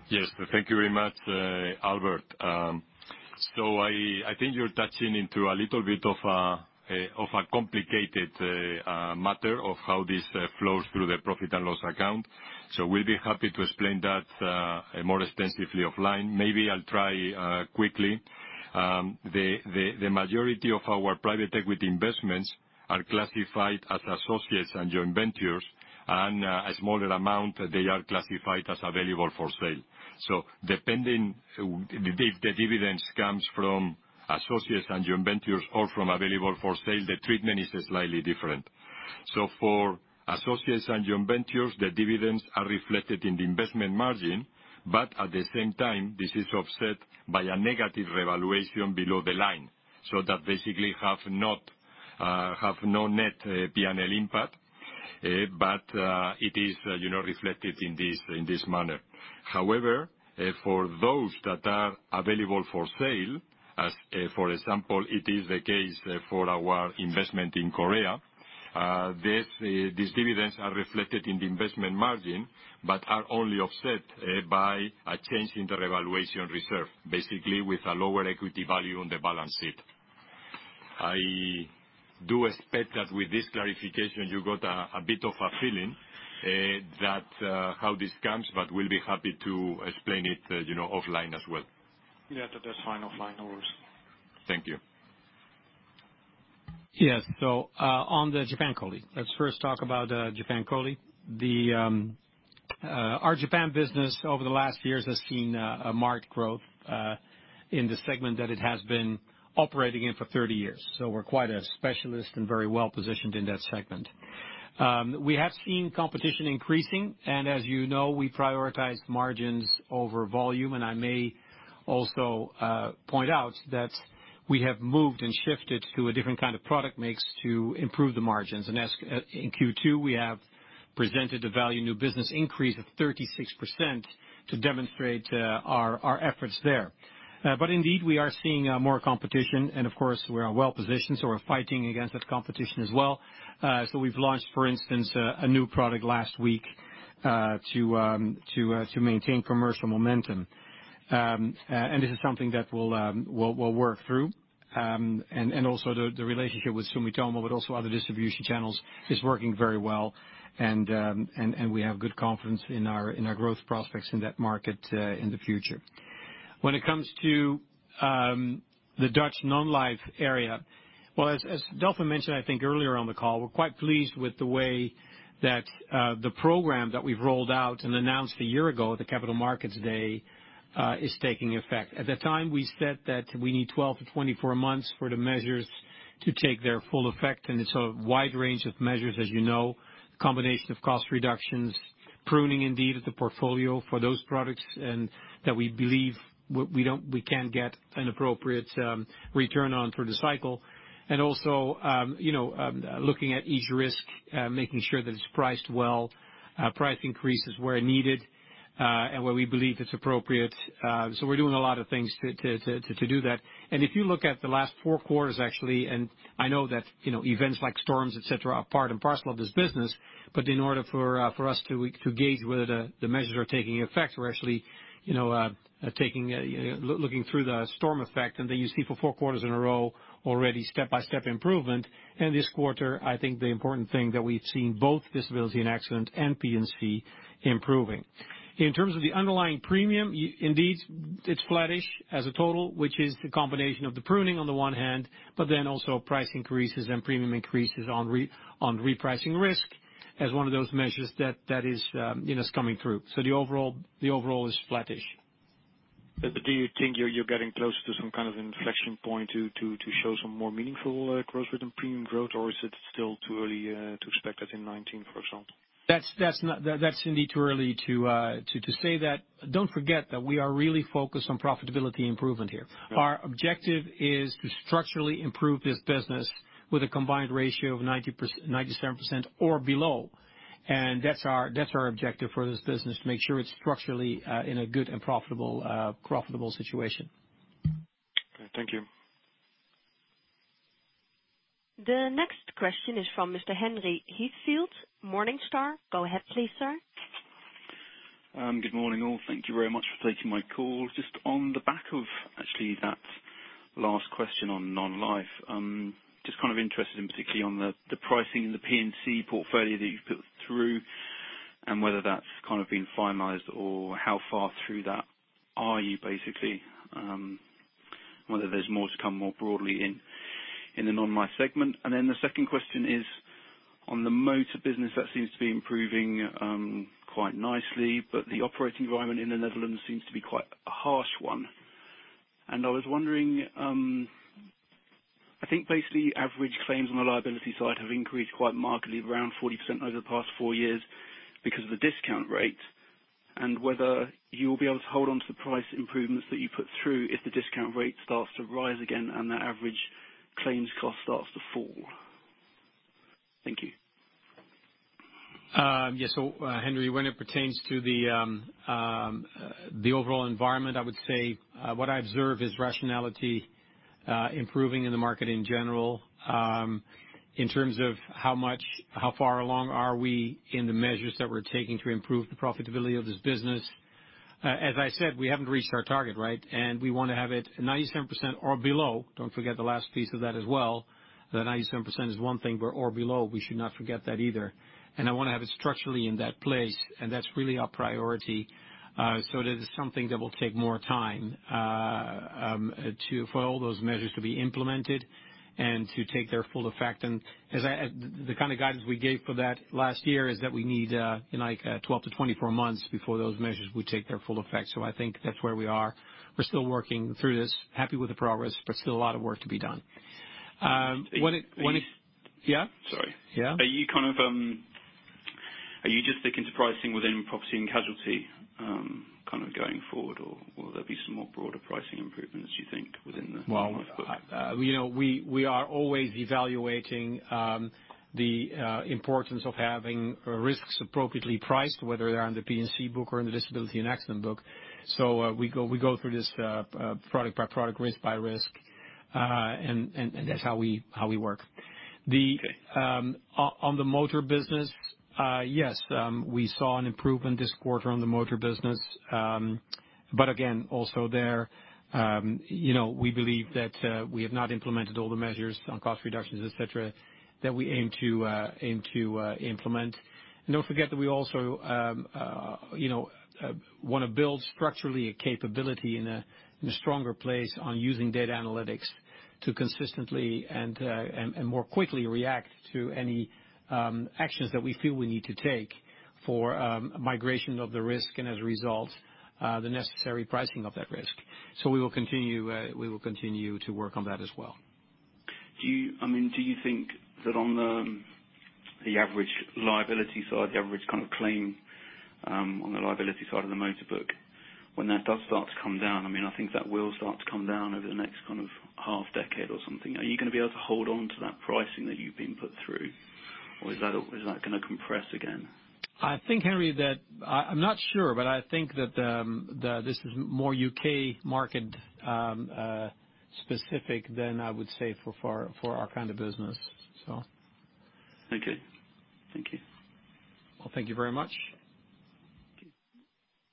Yes. Thank you very much, Albert. I think you're touching into a little bit of a complicated matter of how this flows through the profit and loss account. We'll be happy to explain that more extensively offline. Maybe I'll try quickly. The majority of our private equity investments are classified as associates and joint ventures, and a smaller amount, they are classified as available for sale. Depending if the dividends comes from associates and joint ventures or from available for sale, the treatment is slightly different. For associates and joint ventures, the dividends are reflected in the investment margin, but at the same time, this is offset by a negative revaluation below the line. That basically have no net P&L impact, but it is reflected in this manner. However, for those that are available for sale, as for example it is the case for our investment in Korea, these dividends are reflected in the investment margin but are only offset by a change in the revaluation reserve, basically with a lower equity value on the balance sheet. I do expect that with this clarification, you got a bit of a feeling that how this comes, but we'll be happy to explain it offline as well. Yeah, that's fine. Offline works. Thank you. On the Japan COLI. Let's first talk about Japan COLI. Our Japan business over the last years has seen a marked growth in the segment that it has been operating in for 30 years. We're quite a specialist and very well-positioned in that segment. We have seen competition increasing, and as you know, we prioritize margins over volume. I may also point out that we have moved and shifted to a different kind of product mix to improve the margins. In Q2, we have presented a value new business increase of 36% to demonstrate our efforts there. Indeed, we are seeing more competition. Of course, we are well-positioned, so we're fighting against that competition as well. We've launched, for instance, a new product last week to maintain commercial momentum. This is something that we'll work through. Also the relationship with Sumitomo, but also other distribution channels, is working very well. We have good confidence in our growth prospects in that market in the future. When it comes to the Dutch Non-Life area. As Delfin mentioned, I think, earlier on the call, we're quite pleased with the way that the program that we've rolled out and announced a year ago at the Capital Markets Day, is taking effect. At the time, we said that we need 12 months-24 months for the measures to take their full effect, and it's a wide range of measures, as you know. Combination of cost reductions, pruning indeed of the portfolio for those products that we believe we can't get an appropriate return on through the cycle. Also looking at each risk, making sure that it's priced well, price increases where needed, and where we believe it's appropriate. We're doing a lot of things to do that. If you look at the last four quarters, actually, I know that events like storms, et cetera, are part and parcel of this business. In order for us to gauge whether the measures are taking effect, we're actually looking through the storm effect. You see for four quarters in a row already step-by-step improvement. This quarter, I think the important thing that we've seen both disability and accident and P&C improving. In terms of the underlying premium, indeed, it's flattish as a total, which is the combination of the pruning on the one hand, also price increases and premium increases on repricing risk as one of those measures that is coming through. The overall is flattish. Do you think you're getting close to some kind of inflection point to show some more meaningful growth rate and premium growth? Is it still too early to expect that in 2019, for example? That's indeed too early to say that. Don't forget that we are really focused on profitability improvement here. Yeah. Our objective is to structurally improve this business with a combined ratio of 97% or below. That's our objective for this business, to make sure it's structurally in a good and profitable situation. Okay. Thank you. The next question is from Mr. Henry Heathfield, Morningstar. Go ahead please, Sir. Good morning, all. Thank you very much for taking my call. Just on the back of actually that last question on non-life. Just kind of interested in particularly on the pricing in the P&C portfolio that you've put through, and whether that's been finalized or how far through that are you, basically? Whether there's more to come more broadly in the non-life segment. The second question is on the motor business. That seems to be improving quite nicely, but the operating environment in the Netherlands seems to be quite a harsh one. I was wondering, I think basically average claims on the liability side have increased quite markedly, around 40% over the past four years because of the discount rate. Whether you'll be able to hold onto the price improvements that you put through if the discount rate starts to rise again and the average claims cost starts to fall? Thank you. Yeah. Henry, when it pertains to the overall environment, I would say what I observe is rationality improving in the market in general. In terms of how far along are we in the measures that we are taking to improve the profitability of this business. As I said, we have not reached our target, right? We want to have it 97% or below. Do not forget the last piece of that as well. The 97% is one thing, but or below, we should not forget that either. I want to have it structurally in that place, and that is really our priority. That is something that will take more time for all those measures to be implemented and to take their full effect. The kind of guidance we gave for that last year is that we need like 12 months-24 months before those measures would take their full effect. I think that is where we are. We are still working through this. Happy with the progress, but still a lot of work to be done. Yeah? Sorry. Yeah. Are you just sticking to pricing within Property & Casualty going forward? Will there be some more broader pricing improvements, do you think, within the non-life? We are always evaluating the importance of having risks appropriately priced, whether they are in the P&C book or in the Disability & Accident book. We go through this product by product, risk by risk. That is how we work. Okay. On the motor business. Yes, we saw an improvement this quarter on the motor business. Again, also there, we believe that we have not implemented all the measures on cost reductions, et cetera, that we aim to implement. Don't forget that we also want to build structurally a capability in a stronger place on using data analytics to consistently and more quickly react to any actions that we feel we need to take for migration of the risk and, as a result, the necessary pricing of that risk. We will continue to work on that as well. Do you think that on the average liability side, the average claim on the liability side of the motor book, when that does start to come down, I think that will start to come down over the next half-decade or something. Are you going to be able to hold on to that pricing that you've been put through, or is that going to compress again? I'm not sure, I think that this is more U.K. market specific than, I would say, for our kind of business. Thank you. Well, thank you very much.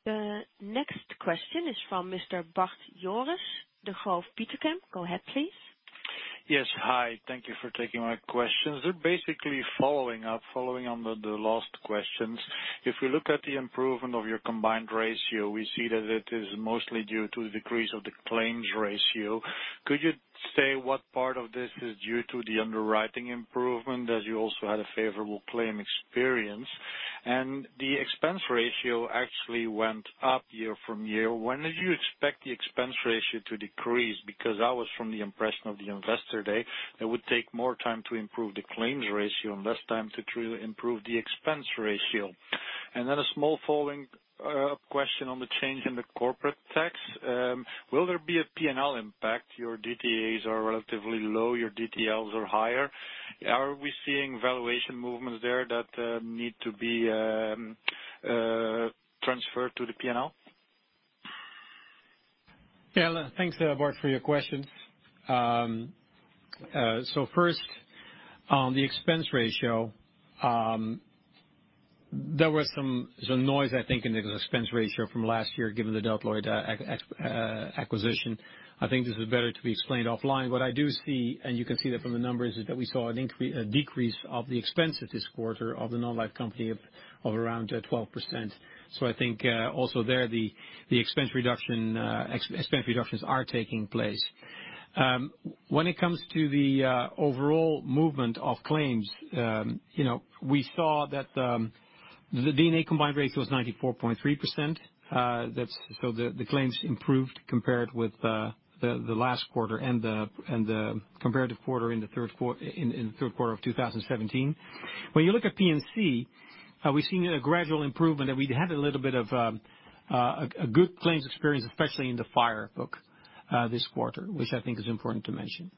The next question is from Mr. Bart Jooris, Degroof Petercam. Go ahead, please. Yes. Hi. Thank you for taking my questions. They're basically following up on the last questions. If we look at the improvement of your combined ratio, we see that it is mostly due to the decrease of the claims ratio. Could you say what part of this is due to the underwriting improvement, as you also had a favorable claim experience? The expense ratio actually went up year-over-year. When did you expect the expense ratio to decrease? Because I was from the impression of the Investor Day, it would take more time to improve the claims ratio and less time to truly improve the expense ratio. Then a small following-up question on the change in the corporate tax. Will there be a P&L impact? Your DTAs are relatively low, your DTLs are higher. Are we seeing valuation movements there that need to be transferred to the P&L? Thanks, Bart, for your questions. First, on the expense ratio, there was some noise, I think, in the expense ratio from last year, given the Delta Lloyd acquisition. I think this is better to be explained offline. What I do see, and you can see that from the numbers, is that we saw a decrease of the expense this quarter of the non-life company of around 12%. I think also there, the expense reductions are taking place. When it comes to the overall movement of claims, we saw that the D&A combined ratio was 94.3%. The claims improved compared with the last quarter and the comparative quarter in the third quarter of 2017. When you look at P&C, we've seen a gradual improvement, and we'd had a little bit of a good claims experience, especially in the fire book this quarter, which I think is important to mention.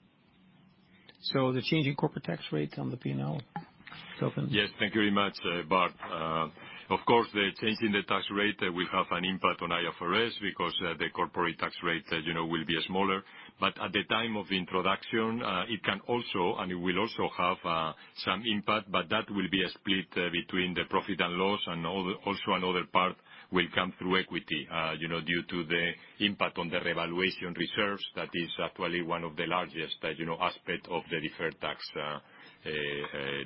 The change in corporate tax rates on the P&L. Delfin? Yes. Thank you very much, Bart. Of course, the change in the tax rate will have an impact on IFRS because the corporate tax rate will be smaller. At the time of introduction, it can also, and it will also have some impact, but that will be split between the profit and loss. Also another part will come through equity due to the impact on the revaluation reserves. That is actually one of the largest aspects of the Deferred Tax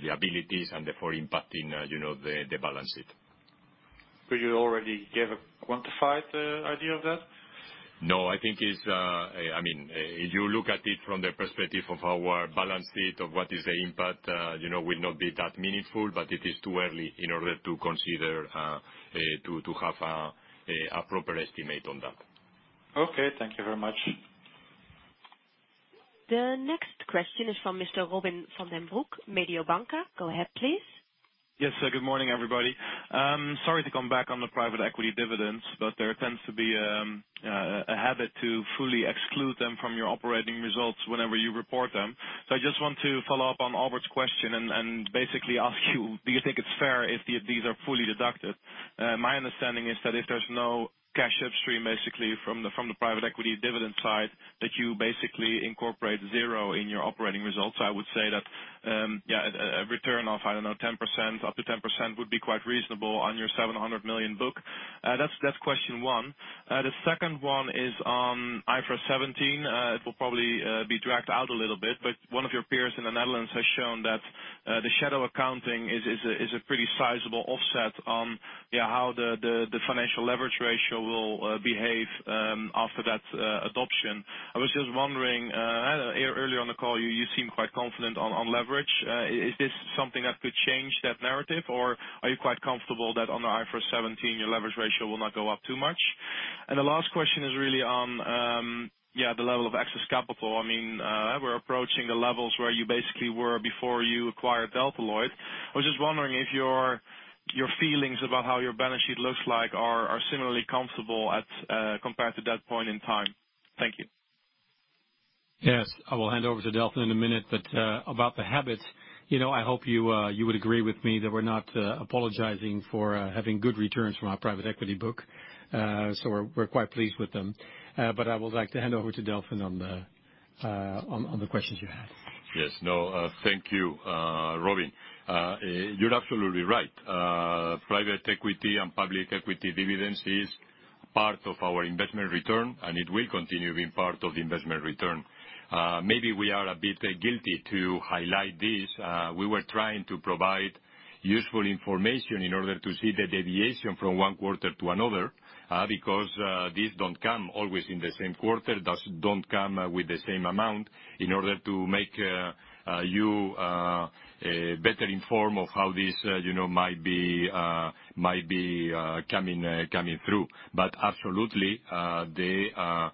Liabilities, and therefore impacting the balance sheet. Could you already give a quantified idea of that? No. If you look at it from the perspective of our balance sheet, of what is the impact, will not be that meaningful, but it is too early in order to consider to have a proper estimate on that. Okay. Thank you very much. The next question is from Mr. Robin van den Broek, Mediobanca. Go ahead, please. Yes. Good morning, everybody. There tends to be a habit to fully exclude them from your operating results whenever you report them. I just want to follow up on Albert's question and basically ask you, do you think it's fair if these are fully deducted? My understanding is that if there's no cash upstream, basically from the private equity dividend side, that you basically incorporate zero in your operating results. I would say that a return of up to 10% would be quite reasonable on your 700 million book. That's question one. The second one is on IFRS 17. It will probably be dragged out a little bit, one of your peers in the Netherlands has shown that the shadow accounting is a pretty sizable offset on how the financial leverage ratio will behave after that adoption. I was just wondering, earlier on the call, you seemed quite confident on leverage. Is this something that could change that narrative, or are you quite comfortable that on the IFRS 17, your leverage ratio will not go up too much? The last question is really on the level of excess capital. We're approaching the levels where you basically were before you acquired Delta Lloyd. I was just wondering if your feelings about how your balance sheet looks like are similarly comfortable compared to that point in time? Thank you. Yes. I will hand over to Delfin in a minute, but about the habits, I hope you would agree with me that we're not apologizing for having good returns from our private equity book. We're quite pleased with them. I would like to hand over to Delfin on the questions you had. Yes. No, thank you, Robin. You're absolutely right. Private equity and public equity dividends is part of our investment return, and it will continue being part of investment return. Maybe we are a bit guilty to highlight this. We were trying to provide useful information in order to see the deviation from one quarter to another, because these don't come always in the same quarter, don't come with the same amount, in order to make you better informed of how this might be coming through. Absolutely, the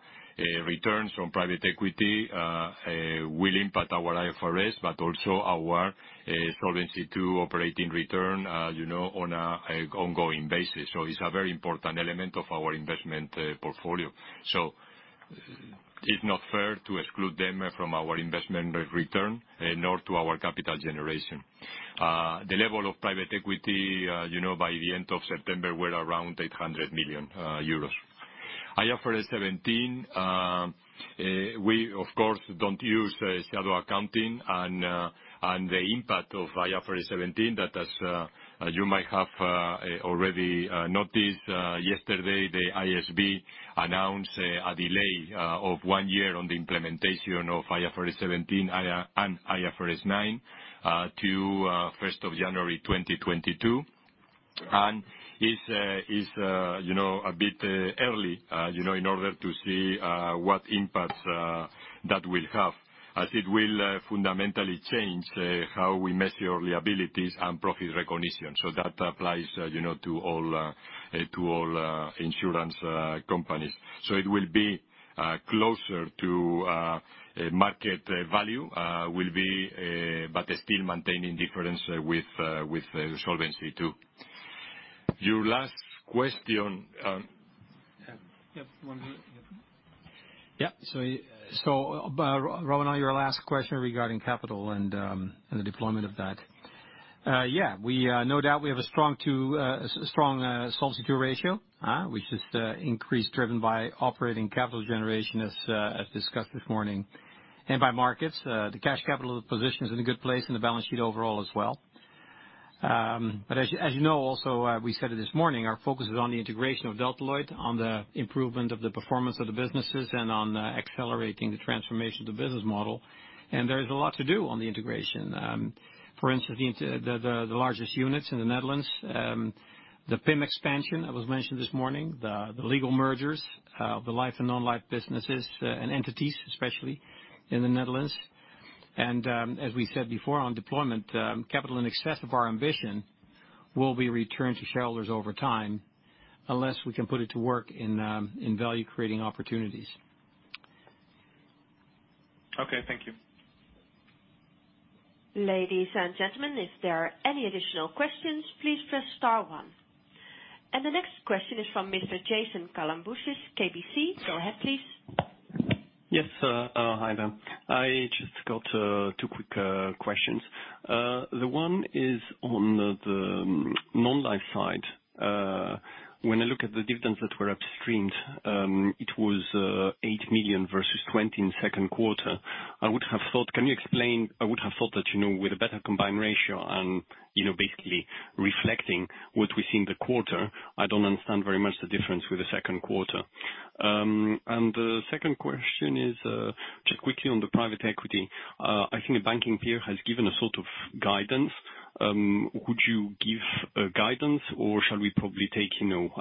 returns from private equity will impact our IFRS, but also our Solvency II operating return on a ongoing basis. It's a very important element of our investment portfolio. It's not fair to exclude them from our investment return, nor to our capital generation. The level of private equity, by the end of September, we're around 800 million euros. IFRS 17, we of course don't use shadow accounting and the impact of IFRS 17, that as you might have already noticed yesterday, the IASB announced a delay of one year on the implementation of IFRS 17 and IFRS 9 to 1st of January 2022. It's a bit early in order to see what impacts that will have, as it will fundamentally change how we measure liabilities and profit recognition. That applies to all insurance companies. It will be closer to market value but still maintaining difference with Solvency II. Your last question. Yeah. One minute. Yeah. Yeah. Robin, on your last question regarding capital and the deployment of that. Yeah. No doubt we have a strong Solvency II ratio, which is increased, driven by operating capital generation as discussed this morning. By markets. The cash capital position is in a good place, and the balance sheet overall as well. As you know also, we said it this morning, our focus is on the integration of Delta Lloyd, on the improvement of the performance of the businesses, and on accelerating the transformation of the business model. There is a lot to do on the integration. For instance, the largest units in the Netherlands, the PIM expansion that was mentioned this morning, the legal mergers of the life and non-life businesses and entities, especially in the Netherlands. As we said before on deployment, capital in excess of our ambition will be returned to shareholders over time, unless we can put it to work in value-creating opportunities. Okay. Thank you. Ladies and gentlemen, if there are any additional questions, please press star one. The next question is from Mr. Jason Kalamboussis, KBC. Go ahead, please. Yes. Hi there. I just got two quick questions. The one is on the non-life side. When I look at the dividends that were upstreamed, it was 8 million versus 20 in the second quarter. Can you explain? I would have thought that with a better combined ratio and basically reflecting what we see in the quarter, I don't understand very much the difference with the second quarter. The second question is, just quickly on the private equity. I think a banking peer has given a sort of guidance. Would you give a guidance or shall we probably take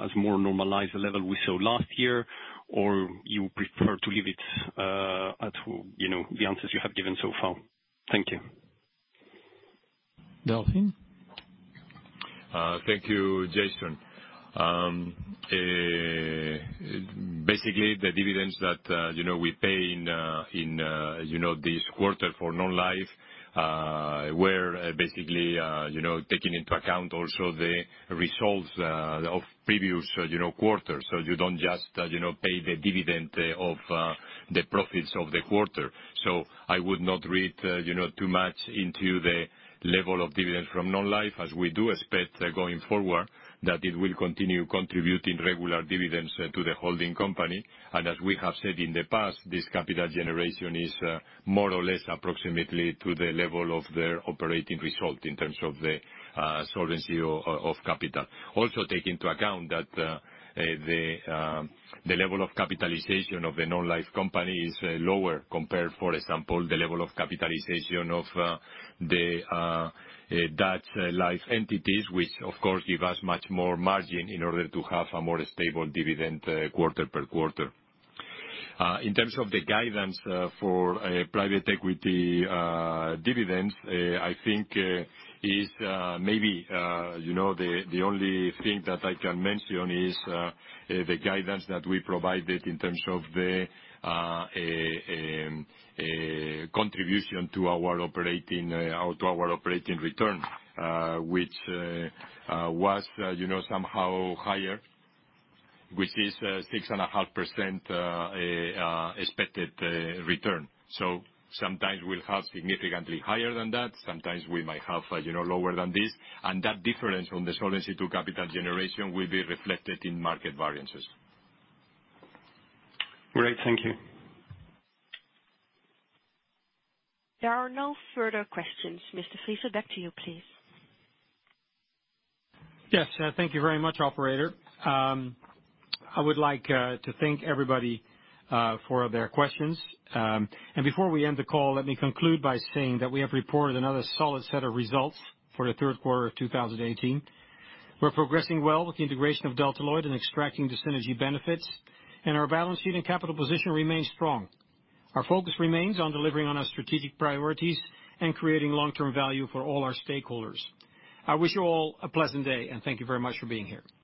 as more normalized the level we saw last year? You prefer to leave it at the answers you have given so far? Thank you. Delfin? Thank you, Jason. Basically, the dividends that we pay in this quarter for non-life, were basically taking into account also the results of previous quarters. You don't just pay the dividend of the profits of the quarter. I would not read too much into the level of dividends from non-life, as we do expect going forward that it will continue contributing regular dividends to the holding company. As we have said in the past, this capital generation is more or less approximately to the level of their operating result in terms of the solvency of capital. Also take into account that the level of capitalization of the non-life company is lower compared, for example, the level of capitalization of the Dutch life entities, which of course give us much more margin in order to have a more stable dividend quarter-per-quarter. In terms of the guidance for private equity dividends, I think is maybe the only thing that I can mention is the guidance that we provided in terms of the contribution to our operating return, which was somehow higher, which is 6.5% expected return. Sometimes we'll have significantly higher than that. Sometimes we might have lower than this. That difference on the Solvency II capital generation will be reflected in market variances. Great. Thank you. There are no further questions. Mr. Friese, back to you, please. Yes. Thank you very much, operator. Before we end the call, let me conclude by saying that we have reported another solid set of results for the third quarter of 2018. We're progressing well with the integration of Delta Lloyd and extracting the synergy benefits, and our balance sheet and capital position remains strong. Our focus remains on delivering on our strategic priorities and creating long-term value for all our stakeholders. I wish you all a pleasant day, and thank you very much for being here.